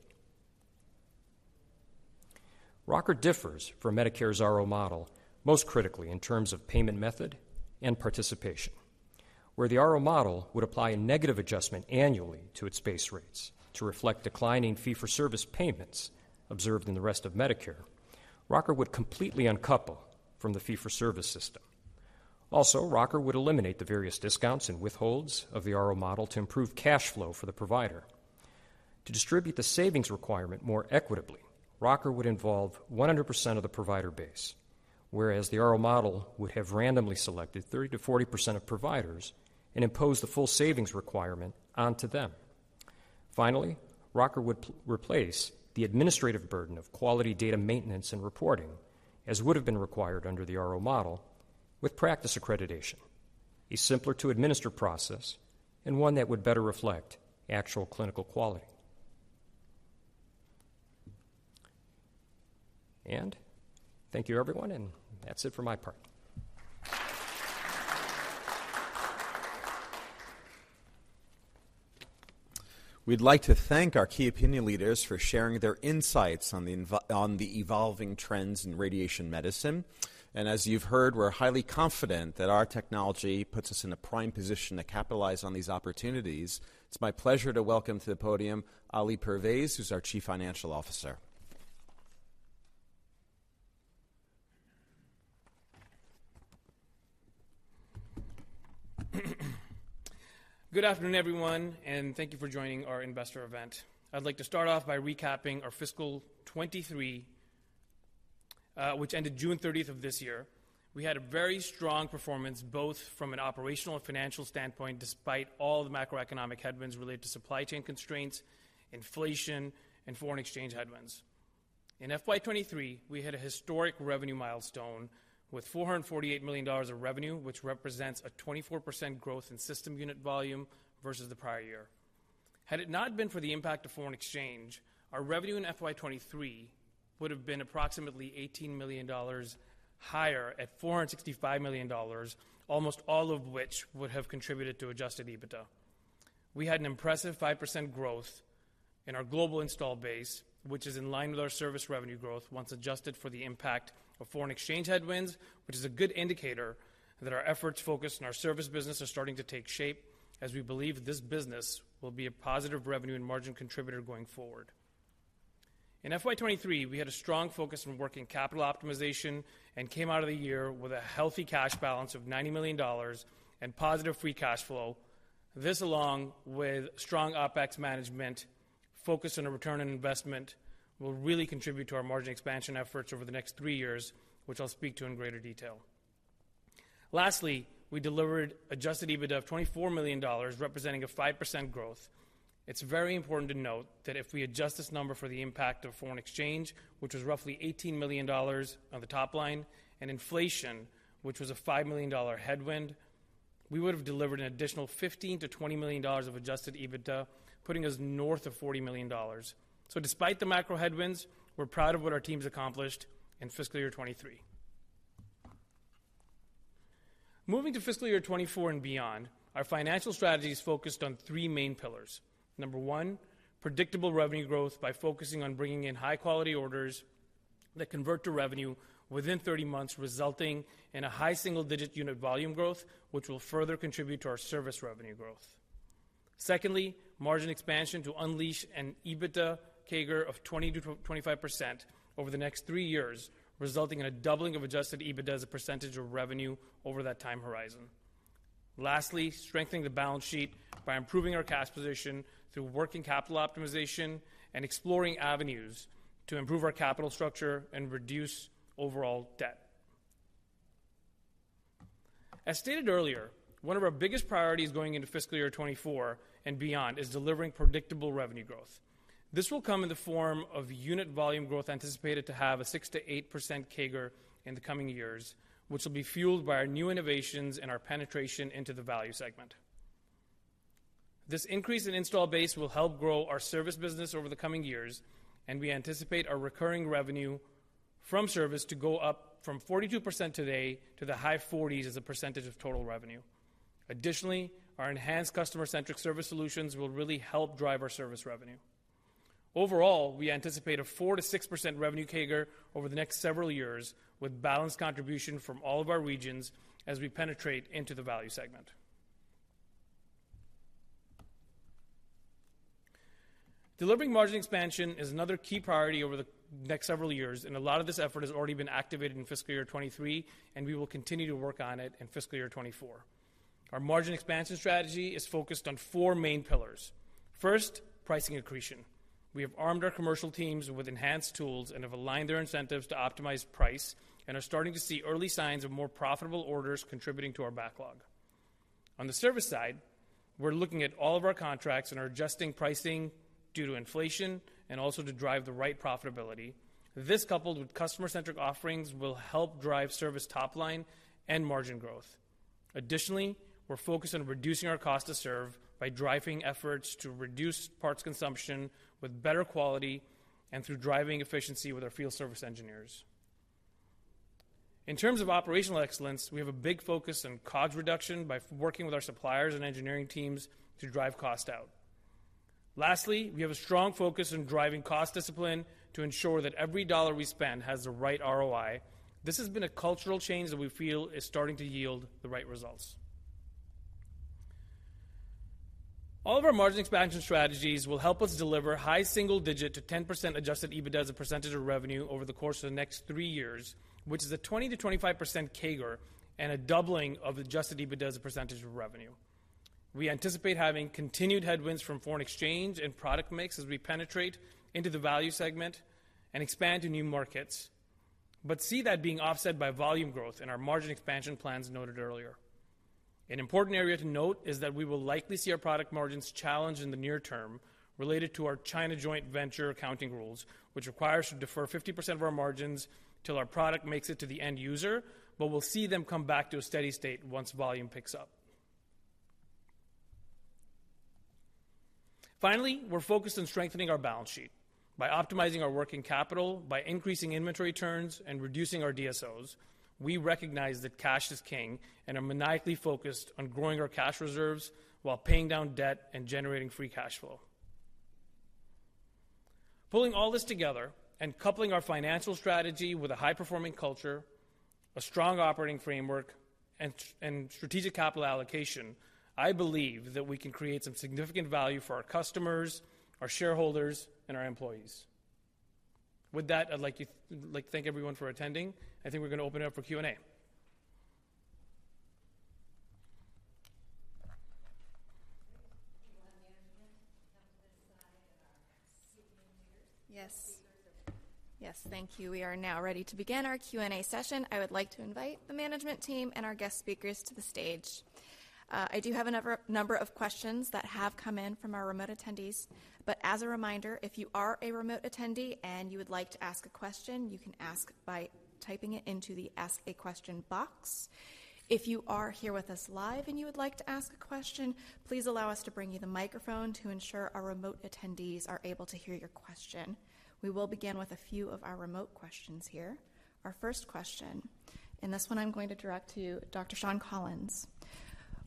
ROCR differs from Medicare's RO Model, most critically in terms of payment method and participation, where the RO Model would apply a negative adjustment annually to its base rates to reflect declining fee-for-service payments observed in the rest of Medicare. ROCR would completely uncouple from the fee-for-service system. Also, ROCR would eliminate the various discounts and withholds of the RO Model to improve cash flow for the provider. To distribute the savings requirement more equitably, ROCR would involve 100% of the provider base, whereas the RO Model would have randomly selected 30%-40% of providers and imposed the full savings requirement onto them. Finally, ROCR would replace the administrative burden of quality data maintenance and reporting, as would have been required under the RO Model with practice accreditation, a simpler-to-administer process and one that would better reflect actual clinical quality. Thank you, everyone, and that's it for my part. We'd like to thank our key opinion leaders for sharing their insights on the evolving trends in radiation medicine. As you've heard, we're highly confident that our technology puts us in a prime position to capitalize on these opportunities. It's my pleasure to welcome to the podium Ali Pervaiz, who's our Chief Financial Officer. Good afternoon, everyone, and thank you for joining our investor event. I'd like to start off by recapping our fiscal 2023, which ended June 30 of this year. We had a very strong performance, both from an operational and financial standpoint, despite all the macroeconomic headwinds related to supply chain constraints, inflation, and foreign exchange headwinds. In FY 2023, we hit a historic revenue milestone with $448 million of revenue, which represents a 24% growth in system unit volume versus the prior year. Had it not been for the impact of foreign exchange, our revenue in FY 2023 would have been approximately $18 million higher at $465 million, almost all of which would have contributed to adjusted EBITDA. We had an impressive 5% growth in our global installed base, which is in line with our service revenue growth once adjusted for the impact of foreign exchange headwinds, which is a good indicator that our efforts focused on our service business are starting to take shape, as we believe this business will be a positive revenue and margin contributor going forward. In FY 2023, we had a strong focus on working capital optimization and came out of the year with a healthy cash balance of $90 million and positive free cash flow. This, along with strong OpEx management focused on a return on investment, will really contribute to our margin expansion efforts over the next three years, which I'll speak to in greater detail. Lastly, we delivered adjusted EBITDA of $24 million, representing a 5% growth. It's very important to note that if we adjust this number for the impact of foreign exchange, which was roughly $18 million on the top line, and inflation, which was a $5 million headwind, we would have delivered an additional $15 million-$20 million of adjusted EBITDA, putting us north of $40 million. So despite the macro headwinds, we're proud of what our team's accomplished in fiscal year 2023.... Moving to fiscal year 2024 and beyond, our financial strategy is focused on three main pillars. Number one, predictable revenue growth by focusing on bringing in high-quality orders that convert to revenue within 30 months, resulting in a high single-digit unit volume growth, which will further contribute to our service revenue growth. Secondly, margin expansion to unleash an EBITDA CAGR of 20%-25% over the next three years, resulting in a doubling of adjusted EBITDA as a percentage of revenue over that time horizon. Lastly, strengthening the balance sheet by improving our cash position through working capital optimization and exploring avenues to improve our capital structure and reduce overall debt. As stated earlier, one of our biggest priorities going into fiscal year 2024 and beyond is delivering predictable revenue growth. This will come in the form of unit volume growth, anticipated to have a 6%-8% CAGR in the coming years, which will be fueled by our new innovations and our penetration into the value segment. This increase in installed base will help grow our service business over the coming years, and we anticipate our recurring revenue from service to go up from 42% today to the high 40s as a percentage of total revenue. Additionally, our enhanced customer-centric service solutions will really help drive our service revenue. Overall, we anticipate a 4%-6% revenue CAGR over the next several years, with balanced contribution from all of our regions as we penetrate into the value segment. Delivering margin expansion is another key priority over the next several years, and a lot of this effort has already been activated in fiscal year 2023, and we will continue to work on it in fiscal year 2024. Our margin expansion strategy is focused on four main pillars. First, pricing accretion. We have armed our commercial teams with enhanced tools and have aligned their incentives to optimize price and are starting to see early signs of more profitable orders contributing to our backlog. On the service side, we're looking at all of our contracts and are adjusting pricing due to inflation and also to drive the right profitability. This, coupled with customer-centric offerings, will help drive service top line and margin growth. Additionally, we're focused on reducing our cost to serve by driving efforts to reduce parts consumption with better quality and through driving efficiency with our field service engineers. In terms of operational excellence, we have a big focus on COGS reduction by working with our suppliers and engineering teams to drive cost out. Lastly, we have a strong focus on driving cost discipline to ensure that every dollar we spend has the right ROI. This has been a cultural change that we feel is starting to yield the right results. All of our margin expansion strategies will help us deliver high single-digit to 10% adjusted EBITDA as a percentage of revenue over the course of the next three years, which is a 20%-25% CAGR and a doubling of adjusted EBITDA as a percentage of revenue. We anticipate having continued headwinds from foreign exchange and product mix as we penetrate into the value segment and expand to new markets, but see that being offset by volume growth in our margin expansion plans noted earlier. An important area to note is that we will likely see our product margins challenged in the near term related to our China joint venture accounting rules, which requires to defer 50% of our margins till our product makes it to the end user, but we'll see them come back to a steady state once volume picks up. Finally, we're focused on strengthening our balance sheet by optimizing our working capital, by increasing inventory turns and reducing our DSOs. We recognize that cash is king and are maniacally focused on growing our cash reserves while paying down debt and generating free cash flow. Pulling all this together and coupling our financial strategy with a high-performing culture, a strong operating framework, and strategic capital allocation, I believe that we can create some significant value for our customers, our shareholders, and our employees. With that, I'd like to thank everyone for attending. I think we're going to open it up for Q&A. Yes. Yes, thank you. We are now ready to begin our Q&A session. I would like to invite the management team and our guest speakers to the stage. I do have a number of questions that have come in from our remote attendees. But as a reminder, if you are a remote attendee and you would like to ask a question, you can ask by typing it into the Ask a Question box. If you are here with us live and you would like to ask a question, please allow us to bring you the microphone to ensure our remote attendees are able to hear your question. We will begin with a few of our remote questions here. Our first question, and this one I'm going to direct to Dr. Sean Collins.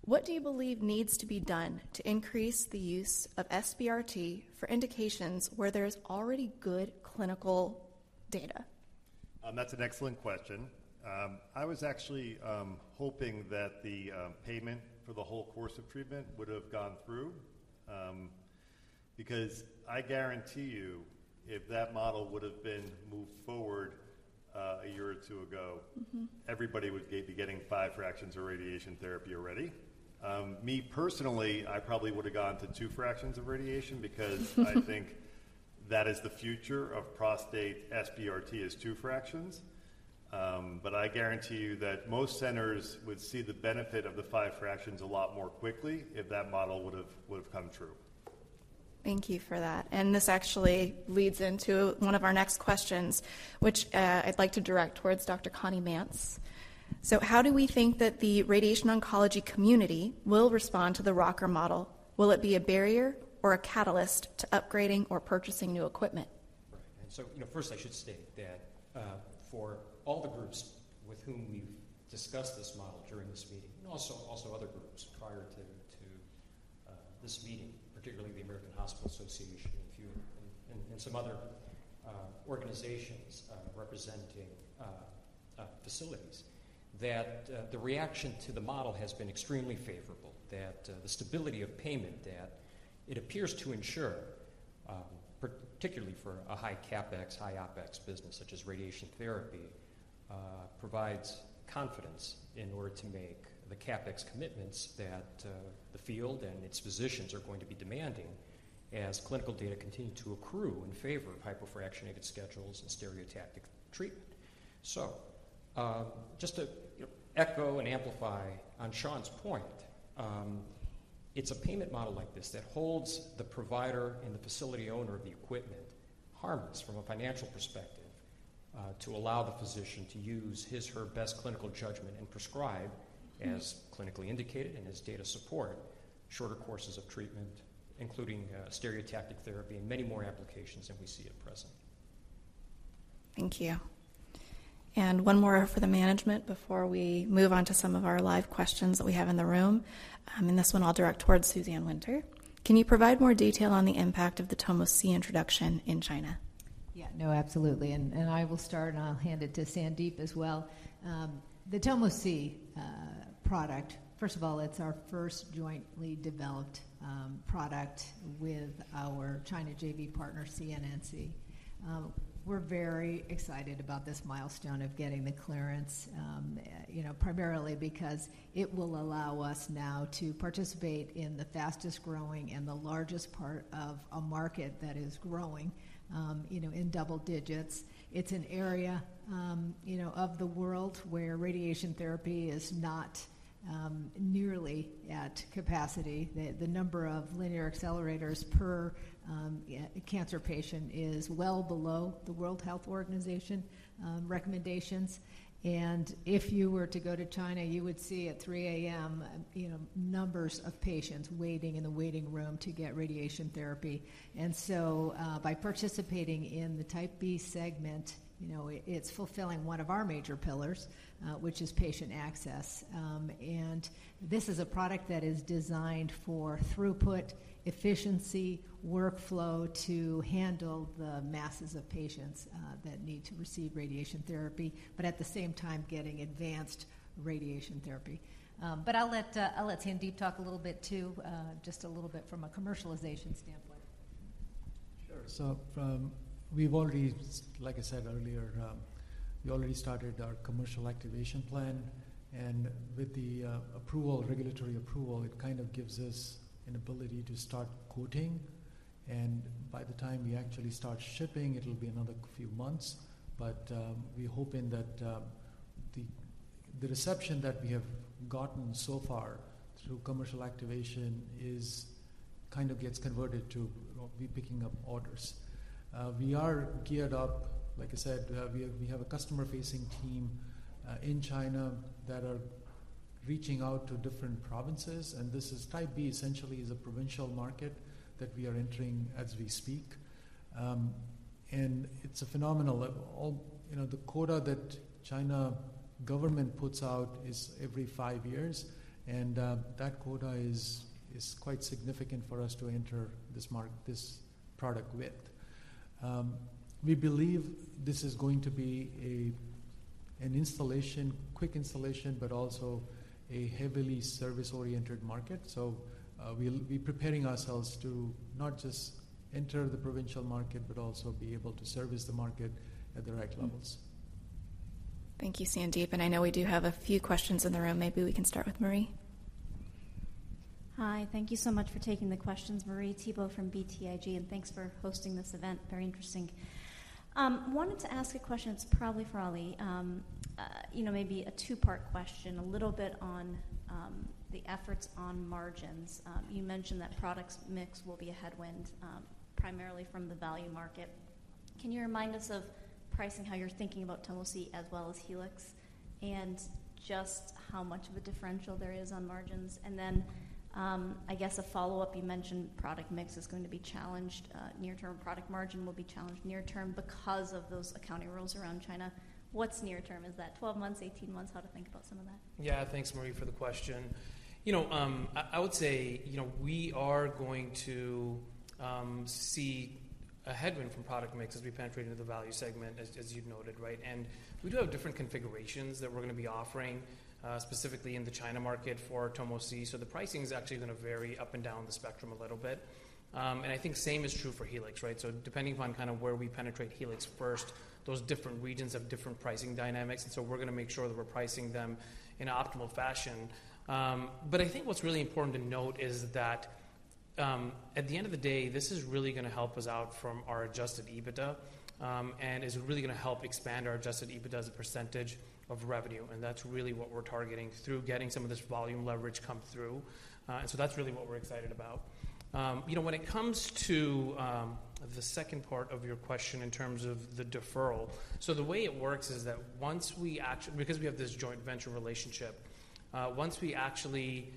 What do you believe needs to be done to increase the use of SBRT for indications where there is already good clinical data? That's an excellent question. I was actually hoping that the payment for the whole course of treatment would have gone through. Because I guarantee you, if that model would have been moved forward, a year or two ago- Mm-hmm. Everybody would be getting five fractions of radiation therapy already. Me personally, I probably would have gone to two fractions of radiation - because I think that is the future of prostate SBRT, is two fractions. But I guarantee you that most centers would see the benefit of the five fractions a lot more quickly if that model would have come true. Thank you for that. And this actually leads into one of our next questions, which, I'd like to direct towards Dr. Connie Mantz. So how do we think that the radiation oncology community will respond to the RO Model? Will it be a barrier or a catalyst to upgrading or purchasing new equipment? And so, you know, first I should state that for all the groups with whom we've discussed this model during this meeting, and also other groups prior to this meeting, particularly the American Hospital Association and a few and some other organizations representing facilities, that the reaction to the model has been extremely favorable. That the stability of payment that it appears to ensure, particularly for a high CapEx, high OpEx business such as radiation therapy, provides confidence in order to make the CapEx commitments that the field and its physicians are going to be demanding as clinical data continue to accrue in favor of hypofractionated schedules and stereotactic treatment. So, just to, you know, echo and amplify on Sean's point, it's a payment model like this that holds the provider and the facility owner of the equipment harmless from a financial perspective, to allow the physician to use his/her best clinical judgment and prescribe as clinically indicated, and as data support, shorter courses of treatment, including stereotactic therapy and many more applications than we see at present. Thank you. One more for the management before we move on to some of our live questions that we have in the room. This one I'll direct towards Suzanne Winter. Can you provide more detail on the impact of the Tomo C introduction in China? Yeah, no, absolutely. And I will start, and I'll hand it to Sandeep as well. The Tomo C product, first of all, it's our first jointly developed product with our China JV partner, CNNC. We're very excited about this milestone of getting the clearance, you know, primarily because it will allow us now to participate in the fastest-growing and the largest part of a market that is growing, you know, in double digits. It's an area, you know, of the world where radiation therapy is not nearly at capacity. The number of linear accelerators per cancer patient is well below the World Health Organization recommendations. And if you were to go to China, you would see at 3 A.M., you know, numbers of patients waiting in the waiting room to get radiation therapy. And so, by participating in the Type B segment, you know, it, it's fulfilling one of our major pillars, which is patient access. And this is a product that is designed for throughput, efficiency, workflow to handle the masses of patients, that need to receive radiation therapy, but at the same time, getting advanced radiation therapy. But I'll let, I'll let Sandeep talk a little bit, too, just a little bit from a commercialization standpoint. Sure. So we've already, like I said earlier, we already started our commercial activation plan. And with the approval, regulatory approval, it kind of gives us an ability to start quoting. And by the time we actually start shipping, it'll be another few months. But we're hoping that the reception that we have gotten so far through commercial activation is kind of gets converted to, you know, we picking up orders. We are geared up, like I said, we have a customer-facing team in China that are reaching out to different provinces, and this is Type B, essentially, is a provincial market that we are entering as we speak. And it's a phenomenal level. All, you know, the quota that the Chinese government puts out is every five years, and that quota is quite significant for us to enter this market with this product. We believe this is going to be a quick installation, but also a heavily service-oriented market. So, we'll be preparing ourselves to not just enter the provincial market, but also be able to service the market at the right levels. Thank you, Sandeep, and I know we do have a few questions in the room. Maybe we can start with Marie. Hi, thank you so much for taking the questions. Marie Thibault from BTIG, and thanks for hosting this event. Very interesting. Wanted to ask a question that's probably for Ali. You know, maybe a two-part question, a little bit on the efforts on margins. You mentioned that products mix will be a headwind, primarily from the value market. Can you remind us of pricing, how you're thinking about Tomo C as well as Helix, and just how much of a differential there is on margins? And then, I guess a follow-up, you mentioned product mix is going to be challenged, near term, product margin will be challenged near term because of those accounting rules around China. What's near term? Is that 12 months, 18 months? How to think about some of that. Yeah. Thanks, Marie, for the question. You know, I would say, you know, we are going to see a headwind from product mix as we penetrate into the value segment, as you've noted, right? And we do have different configurations that we're going to be offering, specifically in the China market for Tomo C. So the pricing is actually going to vary up and down the spectrum a little bit. And I think same is true for Helix, right? So depending upon kind of where we penetrate Helix first, those different regions have different pricing dynamics, and so we're going to make sure that we're pricing them in an optimal fashion. But I think what's really important to note is that, at the end of the day, this is really going to help us out from our adjusted EBITDA, and is really going to help expand our adjusted EBITDA as a percentage of revenue, and that's really what we're targeting through getting some of this volume leverage come through. And so that's really what we're excited about. You know, when it comes to the second part of your question in terms of the deferral, so the way it works is that because we have this joint venture relationship, once we actually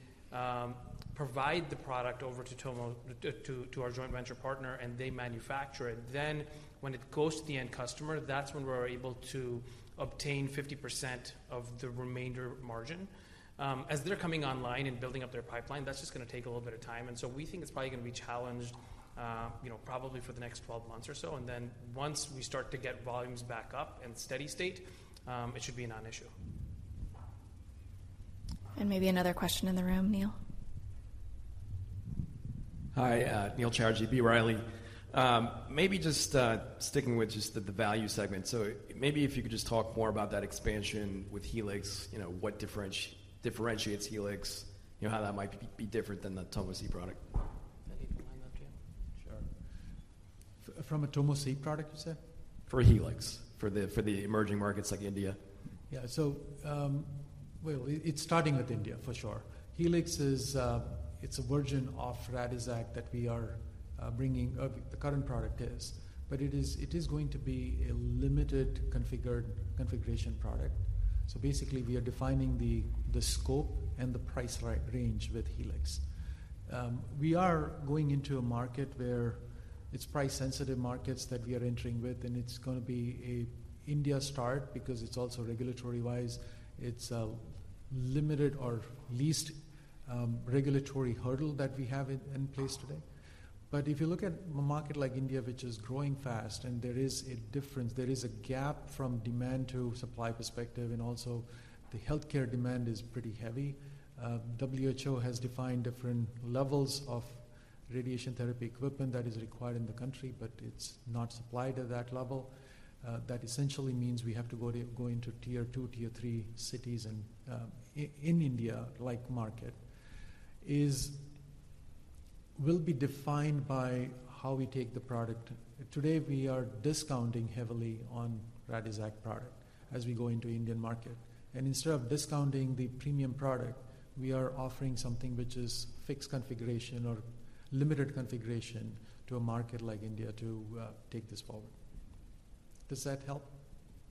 provide the product over to Tomo, to our joint venture partner, and they manufacture it, then when it goes to the end customer, that's when we're able to obtain 50% of the remainder margin. As they're coming online and building up their pipeline, that's just gonna take a little bit of time, and so we think it's probably going to be challenged, you know, probably for the next 12 months or so. And then once we start to get volumes back up in steady state, it should be a non-issue. Maybe another question in the room, Neil? Hi, Neil Chatterji, B. Riley. Maybe just sticking with just the value segment. So maybe if you could just talk more about that expansion with Helix, you know, what differentiates Helix, you know, how that might be different than the Tomo C product. Anything you want to add, Sandeep? Sure. From a Tomo C product, you said? For Helix, for the emerging markets like India. Yeah, so it's starting with India for sure. Helix is a version of Radixact that we are bringing. The current product is. But it is going to be a limited configuration product. So basically, we are defining the scope and the price range with Helix. We are going into a market where it's price-sensitive markets that we are entering with, and it's gonna be an India start because it's also regulatory-wise, it's a limited or least regulatory hurdle that we have in place today. But if you look at a market like India, which is growing fast and there is a difference, there is a gap from demand to supply perspective, and also the healthcare demand is pretty heavy. WHO has defined different levels of radiation therapy equipment that is required in the country, but it's not supplied at that level. That essentially means we have to go to, go into tier two, tier three cities in India-like market will be defined by how we take the product. Today, we are discounting heavily on Radixact product as we go into Indian market. And instead of discounting the premium product, we are offering something which is fixed configuration or limited configuration to a market like India to take this forward. Does that help?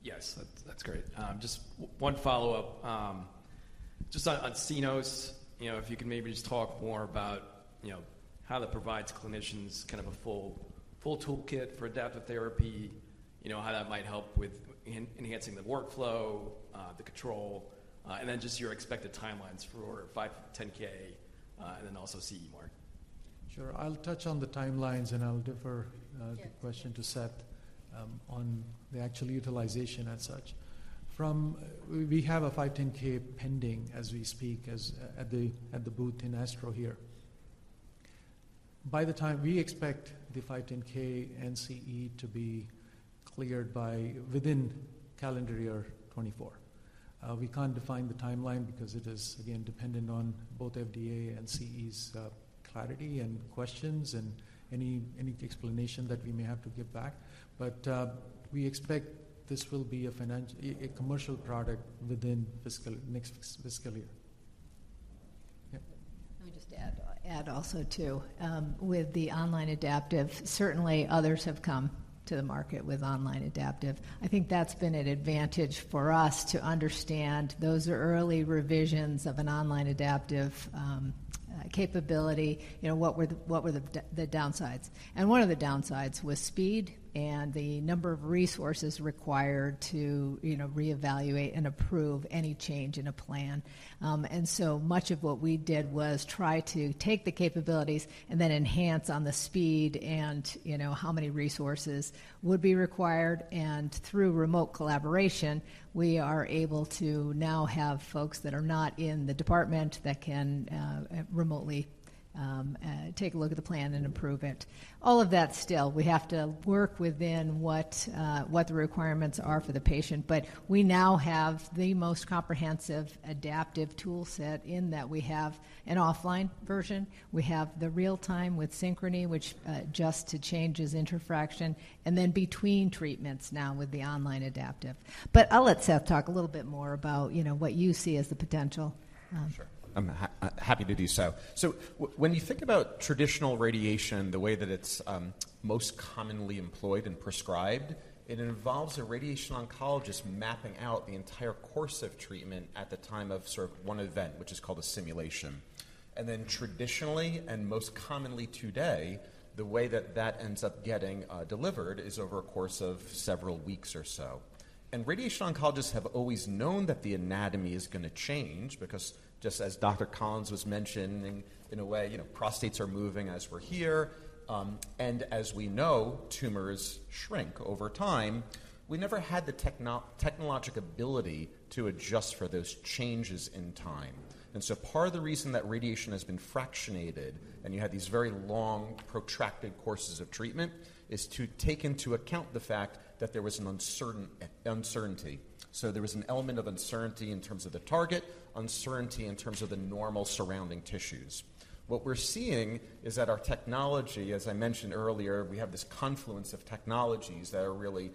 Yes, that's, that's great. Just one follow-up. Just on Cenos, you know, if you could maybe just talk more about, you know, how that provides clinicians kind of a full, full toolkit for adaptive therapy, you know, how that might help with enhancing the workflow, the control, and then just your expected timelines for 510(k), and then also CE Mark. Sure. I'll touch on the timelines, and I'll defer. Yes... the question to Seth, on the actual utilization as such. From— We have a 510(k) pending as we speak, at the booth in ASTRO here. By the time we expect the 510(k) and CE to be cleared by within calendar year 2024. We can't define the timeline because it is, again, dependent on both FDA and CE's clarity and questions and any explanation that we may have to give back. But we expect this will be a commercial product within fiscal next fiscal year. Yeah. Let me just add also, too. With the online adaptive, certainly others have come to the market with online adaptive. I think that's been an advantage for us to understand those early revisions of an online adaptive capability. You know, what were the downsides? And one of the downsides was speed and the number of resources required to, you know, reevaluate and approve any change in a plan. And so much of what we did was try to take the capabilities and then enhance on the speed and, you know, how many resources would be required. And through remote collaboration, we are able to now have folks that are not in the department that can remotely take a look at the plan and improve it. All of that still, we have to work within what the requirements are for the patient, but we now have the most comprehensive adaptive toolset in that we have an offline version, we have the real-time with Synchrony, which adjusts to changes intrafraction, and then between treatments now with the online adaptive. But I'll let Seth talk a little bit more about, you know, what you see as the potential. Sure. I'm happy to do so. So when you think about traditional radiation, the way that it's most commonly employed and prescribed, it involves a radiation oncologist mapping out the entire course of treatment at the time of sort of one event, which is called a simulation. And then traditionally, and most commonly today, the way that that ends up getting delivered is over a course of several weeks or so. And radiation oncologists have always known that the anatomy is gonna change because just as Dr. Collins was mentioning, in a way, you know, prostates are moving as we're here, and as we know, tumors shrink over time. We never had the technological ability to adjust for those changes in time. Part of the reason that radiation has been fractionated, and you had these very long, protracted courses of treatment, is to take into account the fact that there was an uncertainty. There was an element of uncertainty in terms of the target, uncertainty in terms of the normal surrounding tissues. What we're seeing is that our technology, as I mentioned earlier, we have this confluence of technologies that are really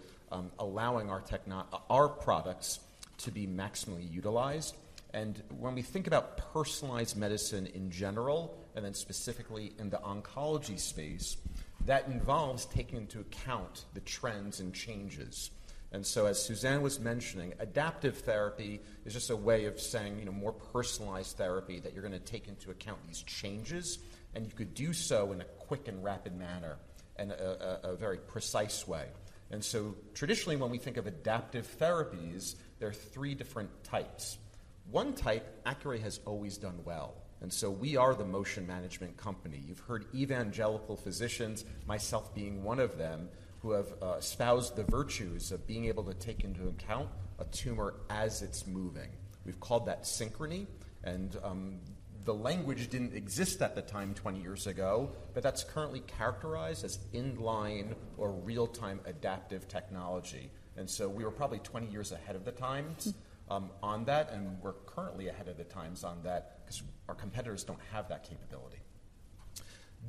allowing our products to be maximally utilized. When we think about personalized medicine in general, and then specifically in the oncology space, that involves taking into account the trends and changes. As Suzanne was mentioning, adaptive therapy is just a way of saying, you know, more personalized therapy, that you're gonna take into account these changes, and you could do so in a quick and rapid manner and a very precise way. Traditionally, when we think of adaptive therapies, there are three different types. One type, Accuray has always done well, and so we are the motion management company. You've heard evangelical physicians, myself being one of them, who have espoused the virtues of being able to take into account a tumor as it's moving. We've called that Synchrony, and the language didn't exist at the time, 20 years ago, but that's currently characterized as in-line or real-time adaptive technology. And so we were probably 20 years ahead of the times on that, and we're currently ahead of the times on that because our competitors don't have that capability.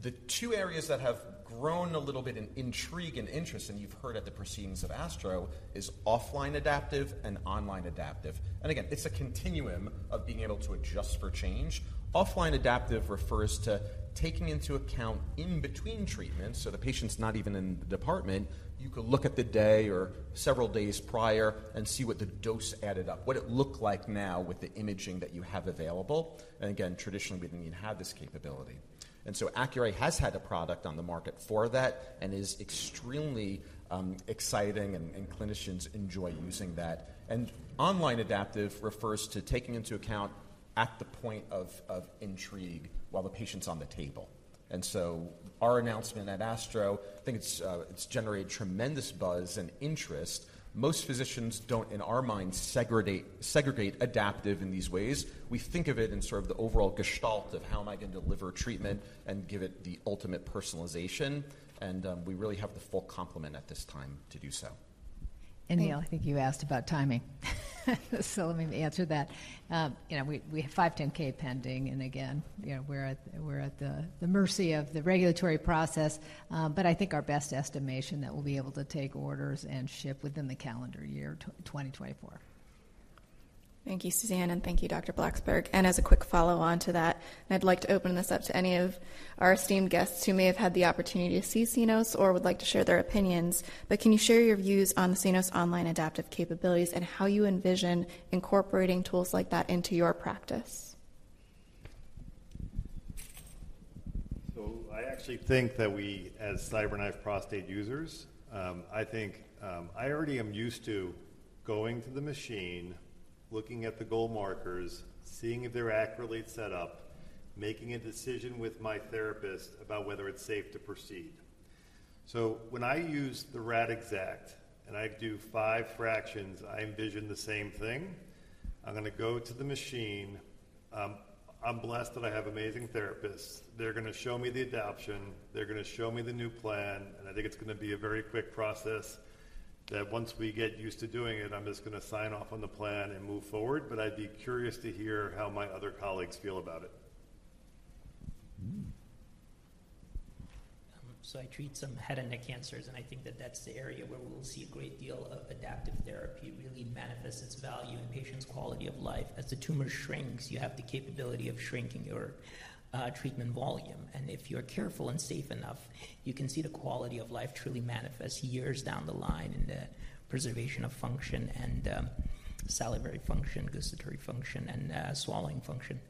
The two areas that have grown a little bit in intrigue and interest, and you've heard at the proceedings of ASTRO, is offline adaptive and online adaptive. And again, it's a continuum of being able to adjust for change. Offline adaptive refers to taking into account in between treatments, so the patient's not even in the department. You could look at the day or several days prior and see what the dose added up, what it looked like now with the imaging that you have available, and again, traditionally, we didn't even have this capability. And so Accuray has had a product on the market for that and is extremely exciting, and clinicians enjoy using that. Online adaptive refers to taking into account at the point of intrafraction while the patient's on the table. So our announcement at ASTRO, I think it's generated tremendous buzz and interest. Most physicians don't, in our minds, segregate adaptive in these ways. We think of it in sort of the overall gestalt of how am I going to deliver treatment and give it the ultimate personalization, and we really have the full complement at this time to do so. Neil, I think you asked about timing. So let me answer that. You know, we have 510(k) pending, and again, you know, we're at the mercy of the regulatory process. But I think our best estimation that we'll be able to take orders and ship within the calendar year 2024. Thank you, Suzanne, and thank you, Dr. Blacksburg. And as a quick follow-on to that, I'd like to open this up to any of our esteemed guests who may have had the opportunity to see Cenos or would like to share their opinions. But can you share your views on Cenos online adaptive capabilities and how you envision incorporating tools like that into your practice? So I actually think that we, as CyberKnife prostate users, I already am used to going to the machine, looking at the goal markers, seeing if they're accurately set up, making a decision with my therapist about whether it's safe to proceed. So when I use the Radixact and I do five fractions, I envision the same thing. I'm gonna go to the machine. I'm blessed that I have amazing therapists. They're gonna show me the adaption, they're gonna show me the new plan, and I think it's gonna be a very quick process that once we get used to doing it, I'm just gonna sign off on the plan and move forward. But I'd be curious to hear how my other colleagues feel about it. So I treat some head and neck cancers, and I think that that's the area where we'll see a great deal of adaptive therapy really manifest its value in patients' quality of life. As the tumor shrinks, you have the capability of shrinking your treatment volume, and if you're careful and safe enough, you can see the quality of life truly manifest years down the line in the preservation of function and salivary function, gustatory function, and swallowing function.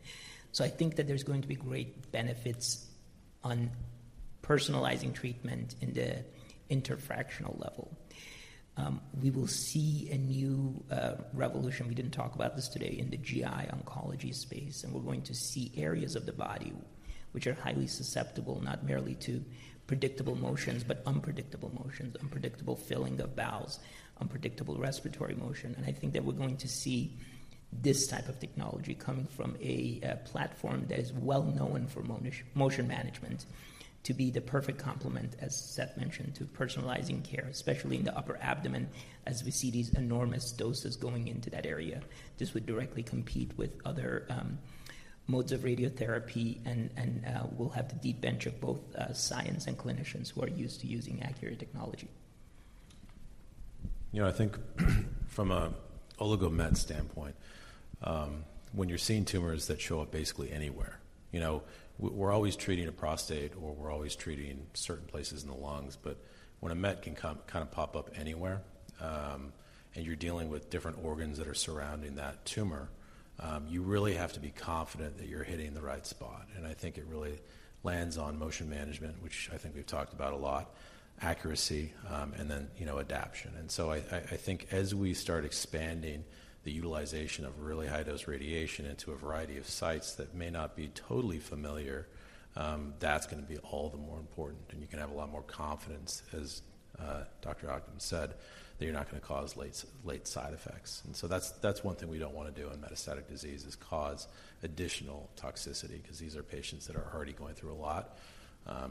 So I think that there's going to be great benefits on personalizing treatment in the interfractional level. We will see a new revolution, we didn't talk about this today, in the GI oncology space, and we're going to see areas of the body which are highly susceptible, not merely to predictable motions, but unpredictable motions, unpredictable filling of bowels, unpredictable respiratory motion. I think that we're going to see this type of technology coming from a platform that is well known for motion management to be the perfect complement, as Seth mentioned, to personalizing care, especially in the upper abdomen, as we see these enormous doses going into that area. This would directly compete with other modes of radiotherapy and we'll have the deep bench of both science and clinicians who are used to using Accuray technology. You know, I think from a oligomet standpoint, when you're seeing tumors that show up basically anywhere, you know, we're always treating a prostate or we're always treating certain places in the lungs, but when a met can come, kind of pop up anywhere, and you're dealing with different organs that are surrounding that tumor, you really have to be confident that you're hitting the right spot. And I think it really lands on motion management, which I think we've talked about a lot, accuracy, and then, you know, adaption. And so I think as we start expanding the utilization of really high-dose radiation into a variety of sites that may not be totally familiar, that's gonna be all the more important, and you can have a lot more confidence, as, uh, Dr. Corkum said that you're not gonna cause late, late side effects. And so that's, that's one thing we don't wanna do in metastatic disease, is cause additional toxicity, because these are patients that are already going through a lot.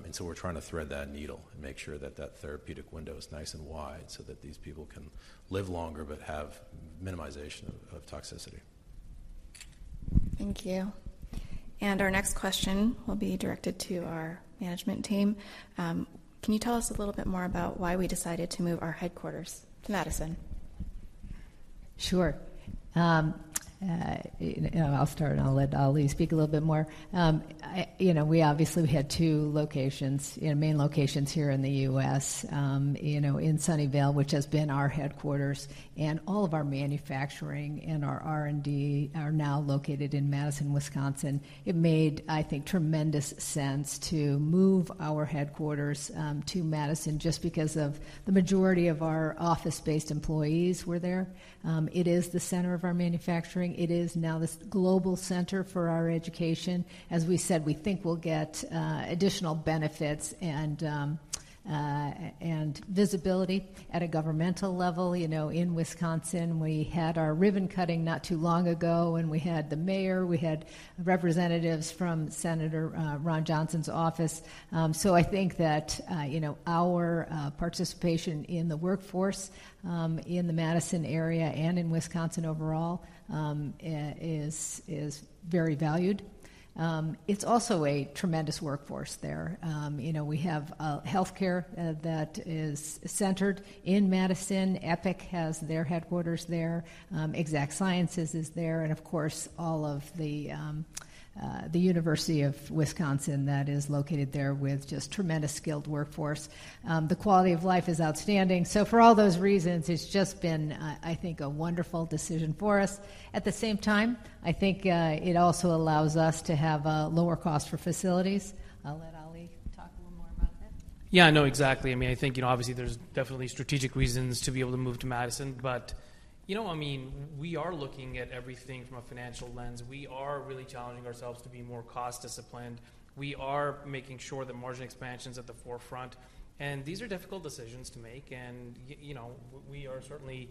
And so we're trying to thread that needle and make sure that that therapeutic window is nice and wide so that these people can live longer but have minimization of, of toxicity. Thank you. Our next question will be directed to our management team. Can you tell us a little bit more about why we decided to move our headquarters to Madison? Sure. You know, I'll start, and I'll let Ali speak a little bit more. I, you know, we obviously we had two locations, you know, main locations here in the U.S., you know, in Sunnyvale, which has been our headquarters, and all of our manufacturing and our R&D are now located in Madison, Wisconsin. It made, I think, tremendous sense to move our headquarters, to Madison just because of the majority of our office-based employees were there. It is the center of our manufacturing. It is now this global center for our education. As we said, we think we'll get additional benefits and,... and visibility at a governmental level. You know, in Wisconsin, we had our ribbon cutting not too long ago, and we had the mayor, we had representatives from Senator Ron Johnson's office. So I think that, you know, our participation in the workforce, in the Madison area and in Wisconsin overall, is very valued. It's also a tremendous workforce there. You know, we have a healthcare that is centered in Madison. Epic has their headquarters there, Exact Sciences is there, and of course, all of the University of Wisconsin that is located there with just tremendous skilled workforce. The quality of life is outstanding. So for all those reasons, it's just been, I think, a wonderful decision for us. At the same time, I think, it also allows us to have a lower cost for facilities. I'll let Ali talk a little more about that. Yeah, I know exactly. I mean, I think, you know, obviously there's definitely strategic reasons to be able to move to Madison, but you know what I mean, we are looking at everything from a financial lens. We are really challenging ourselves to be more cost disciplined. We are making sure that margin expansion's at the forefront, and these are difficult decisions to make, and you know, we are certainly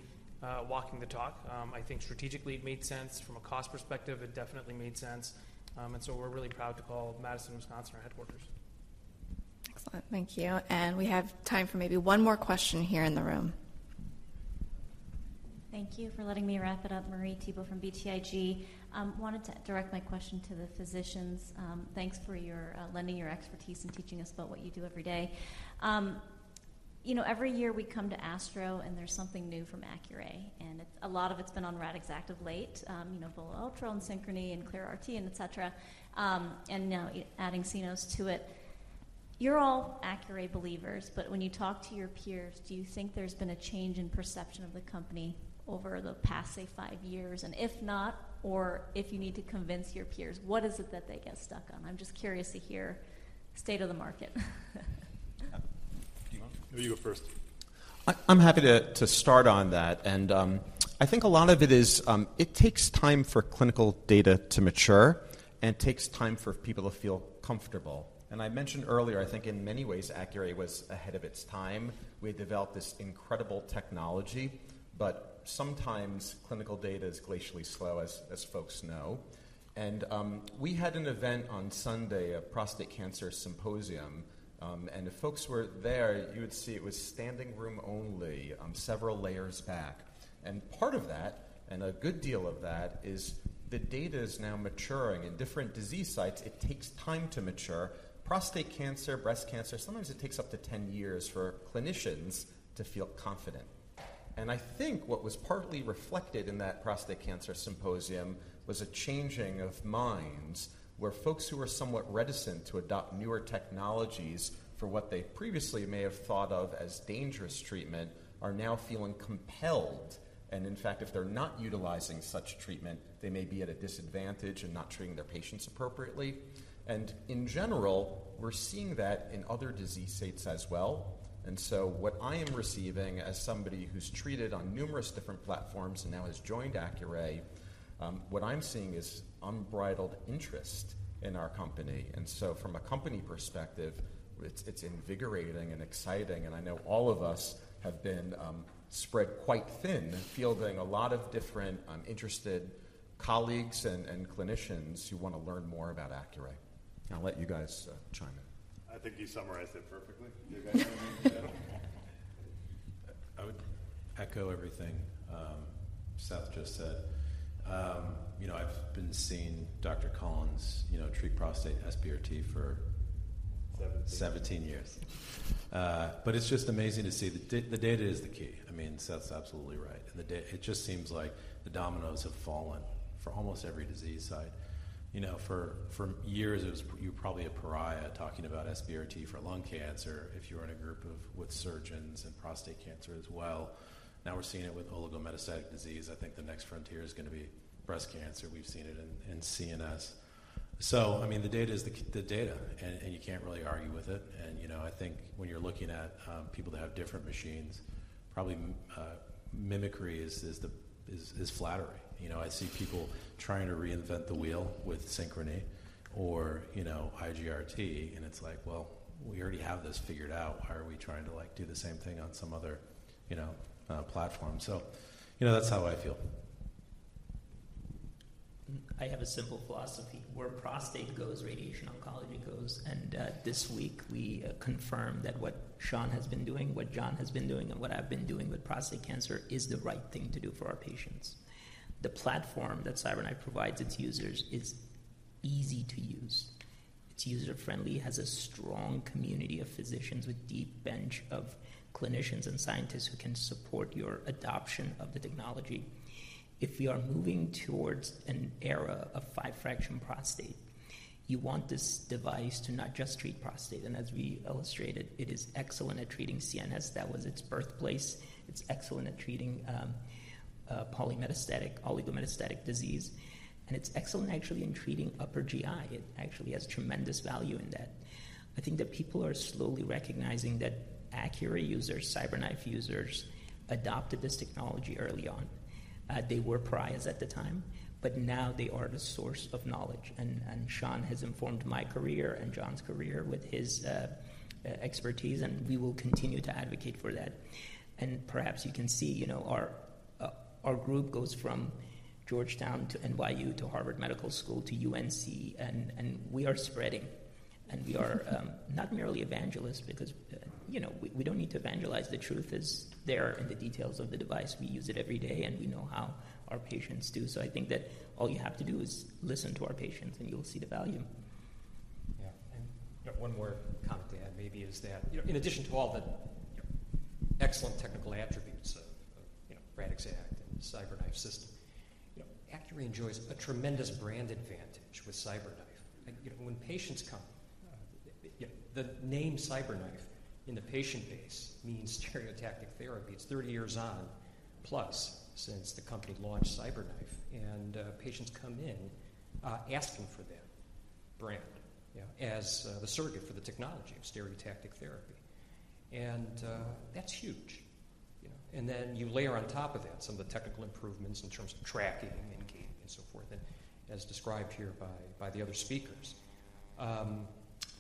walking the talk. I think strategically it made sense. From a cost perspective, it definitely made sense. And so we're really proud to call Madison, Wisconsin, our headquarters. Excellent. Thank you. We have time for maybe one more question here in the room. Thank you for letting me wrap it up. Marie Thibault from BTIG. Wanted to direct my question to the physicians. Thanks for your lending your expertise and teaching us about what you do every day. You know, every year we come to ASTRO, and there's something new from Accuray, and it - a lot of it's been on Radixact of late, you know, Volo Ultra and Synchrony and ClearRT, et cetera, and now, y- adding Cenos to it. You're all Accuray believers, but when you talk to your peers, do you think there's been a change in perception of the company over the past, say, five years? And if not, or if you need to convince your peers, what is it that they get stuck on? I'm just curious to hear state of the market. You want... You go first. I'm happy to start on that. And I think a lot of it is it takes time for clinical data to mature, and it takes time for people to feel comfortable. And I mentioned earlier, I think in many ways, Accuray was ahead of its time. We had developed this incredible technology, but sometimes clinical data is glacially slow, as folks know. And we had an event on Sunday, a prostate cancer symposium, and if folks were there, you would see it was standing room only, several layers back. And part of that, and a good deal of that, is the data is now maturing. In different disease sites, it takes time to mature. Prostate cancer, breast cancer, sometimes it takes up to 10 years for clinician to feel confident. I think what was partly reflected in that prostate cancer symposium was a changing of minds, where folks who were somewhat reticent to adopt newer technologies for what they previously may have thought of as dangerous treatment, are now feeling compelled. And in fact, if they're not utilizing such treatment, they may be at a disadvantage and not treating their patients appropriately. And in general, we're seeing that in other disease states as well. And so what I am receiving as somebody who's treated on numerous different platforms and now has joined Accuray, what I'm seeing is unbridled interest in our company. And so from a company perspective, it's, it's invigorating and exciting, and I know all of us have been, spread quite thin, fielding a lot of different, interested colleagues and, and clinicians who want to learn more about Accuray. I'll let you guys, chime in. I think you summarized it perfectly. Do you guys have anything to add? I would echo everything, Seth just said. You know, I've been seeing Dr. Collins, you know, treat prostate SBRT for- 17 ...17 years. But it's just amazing to see. The data is the key. I mean, Seth's absolutely right, and the data. It just seems like the dominoes have fallen for almost every disease site. You know, for years, it was - you were probably a pariah talking about SBRT for lung cancer, if you were in a group of - with surgeons and prostate cancer as well. Now we're seeing it with oligometastatic disease. I think the next frontier is gonna be breast cancer. We've seen it in CNS. So I mean, the data is the data, and you can't really argue with it. And, you know, I think when you're looking at people that have different machines, probably mimicry is flattering. You know, I see people trying to reinvent the wheel with Synchrony or, you know, IGRT, and it's like: Well, we already have this figured out. Why are we trying to, like, do the same thing on some other, you know, platform? So, you know, that's how I feel. I have a simple philosophy: Where prostate goes, radiation oncology goes. And this week, we confirmed that what Sean has been doing, what Jon has been doing, and what I've been doing with prostate cancer is the right thing to do for our patients. The platform that CyberKnife provides its users is easy to use. It's user-friendly, has a strong community of physicians with deep bench of clinicians and scientists who can support your adoption of the technology. If we are moving towards an era of five-fraction prostate, you want this device to not just treat prostate, and as we illustrated, it is excellent at treating CNS. That was its birthplace. It's excellent at treating polymetastatic, oligometastatic disease, and it's excellent actually in treating upper GI. It actually has tremendous value in that. I think that people are slowly recognizing that Accuray users, CyberKnife users, adopted this technology early on. They were pariahs at the time, but now they are the source of knowledge, and Sean has informed my career and Jon's career with his expertise, and we will continue to advocate for that. And perhaps you can see, you know, our- ... our group goes from Georgetown to NYU, to Harvard Medical School, to UNC, and we are spreading. And we are not merely evangelists because, you know, we don't need to evangelize. The truth is there in the details of the device. We use it every day, and we know how our patients do. So I think that all you have to do is listen to our patients, and you'll see the value. Yeah. And one more comment to add maybe is that, you know, in addition to all the, you know, excellent technical attributes of, of, you know, Radixact and CyberKnife system, you know, Accuray enjoys a tremendous brand advantage with CyberKnife. And, you know, when patients come, the name CyberKnife in the patient base means stereotactic therapy. It's 30 years on, plus since the company launched CyberKnife, and patients come in asking for that brand, you know, as the surrogate for the technology of stereotactic therapy. And that's huge, you know. And then you layer on top of that some of the technical improvements in terms of tracking and gating and so forth, and as described here by the other speakers.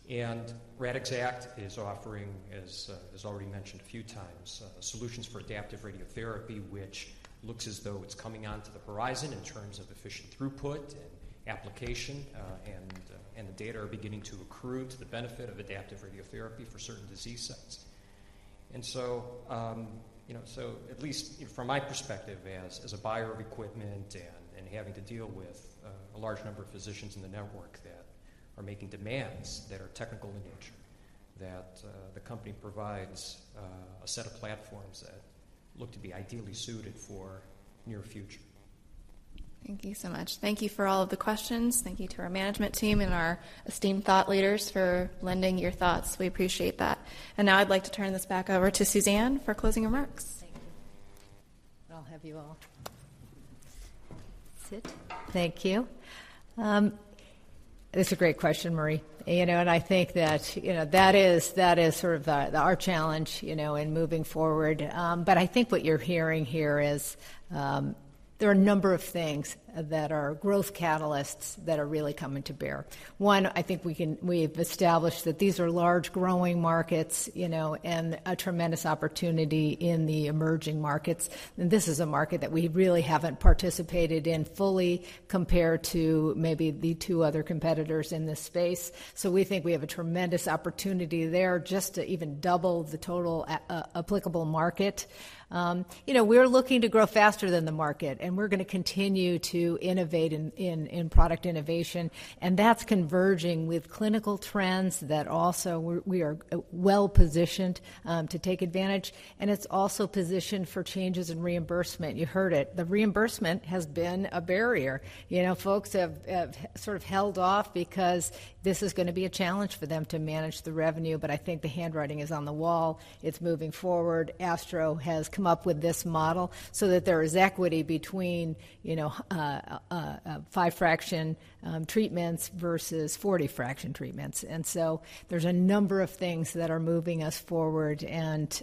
And Radixact is offering, as already mentioned a few times, solutions for adaptive radiotherapy, which looks as though it's coming onto the horizon in terms of efficient throughput and application. And the data are beginning to accrue to the benefit of adaptive radiotherapy for certain disease sites. And so, you know, so at least from my perspective as a buyer of equipment and having to deal with a large number of physicians in the network that are making demands that are technical in nature, the company provides a set of platforms that look to be ideally suited for near future. Thank you so much. Thank you for all of the questions. Thank you to our management team and our esteemed thought leaders for lending your thoughts. We appreciate that. And now I'd like to turn this back over to Suzanne for closing remarks. Thank you. I'll have you all sit. Thank you. It's a great question, Marie. You know, and I think that, you know, that is, that is sort of the our challenge, you know, in moving forward. But I think what you're hearing here is, there are a number of things that are growth catalysts that are really coming to bear. One, I think we can we've established that these are large growing markets, you know, and a tremendous opportunity in the emerging markets. And this is a market that we really haven't participated in fully compared to maybe the two other competitors in this space. So we think we have a tremendous opportunity there just to even double the total applicable market. You know, we're looking to grow faster than the market, and we're gonna continue to innovate in product innovation, and that's converging with clinical trends that also we're well-positioned to take advantage, and it's also positioned for changes in reimbursement. You heard it. The reimbursement has been a barrier. You know, folks have sort of held off because this is gonna be a challenge for them to manage the revenue, but I think the handwriting is on the wall. It's moving forward. ASTRO has come up with this model so that there is equity between, you know, 5-fraction treatments versus 40-fraction treatments. So there's a number of things that are moving us forward and...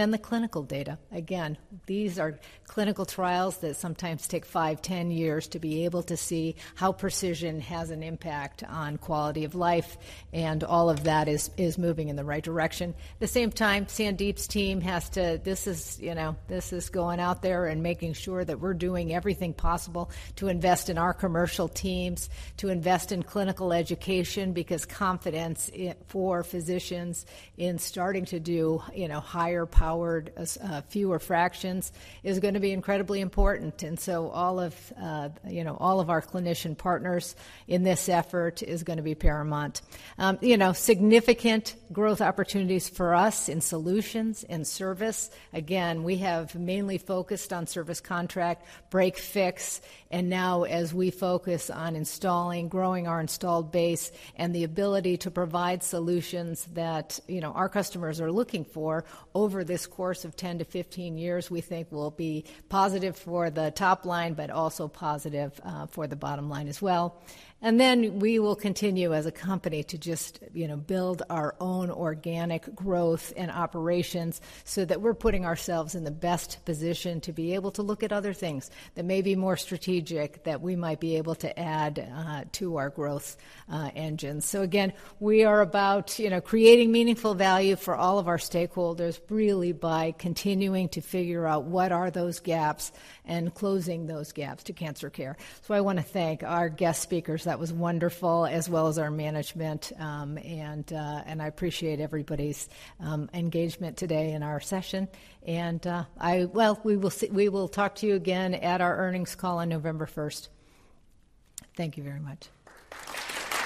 Then the clinical data. Again, these are clinical trials that sometimes take five, 10 years to be able to see how precision has an impact on quality of life, and all of that is moving in the right direction. At the same time, Sandeep's team has to, this is, you know, this is going out there and making sure that we're doing everything possible to invest in our commercial teams, to invest in clinical education, because confidence for physicians in starting to do, you know, higher powered, fewer fractions is gonna be incredibly important. And so all of, you know, all of our clinician partners in this effort is gonna be paramount. You know, significant growth opportunities for us in solutions and service. Again, we have mainly focused on service contract, break, fix, and now as we focus on installing, growing our installed base, and the ability to provide solutions that, you know, our customers are looking for over this course of 10-15 years, we think will be positive for the top line, but also positive, for the bottom line as well. And then we will continue as a company to just, you know, build our own organic growth and operations so that we're putting ourselves in the best position to be able to look at other things that may be more strategic, that we might be able to add, to our growth, engine. So again, we are about, you know, creating meaningful value for all of our stakeholders, really by continuing to figure out what are those gaps and closing those gaps to cancer care. I want to thank our guest speakers. That was wonderful, as well as our management, and I appreciate everybody's engagement today in our session. Well, we will talk to you again at our earnings call on November first. Thank you very much.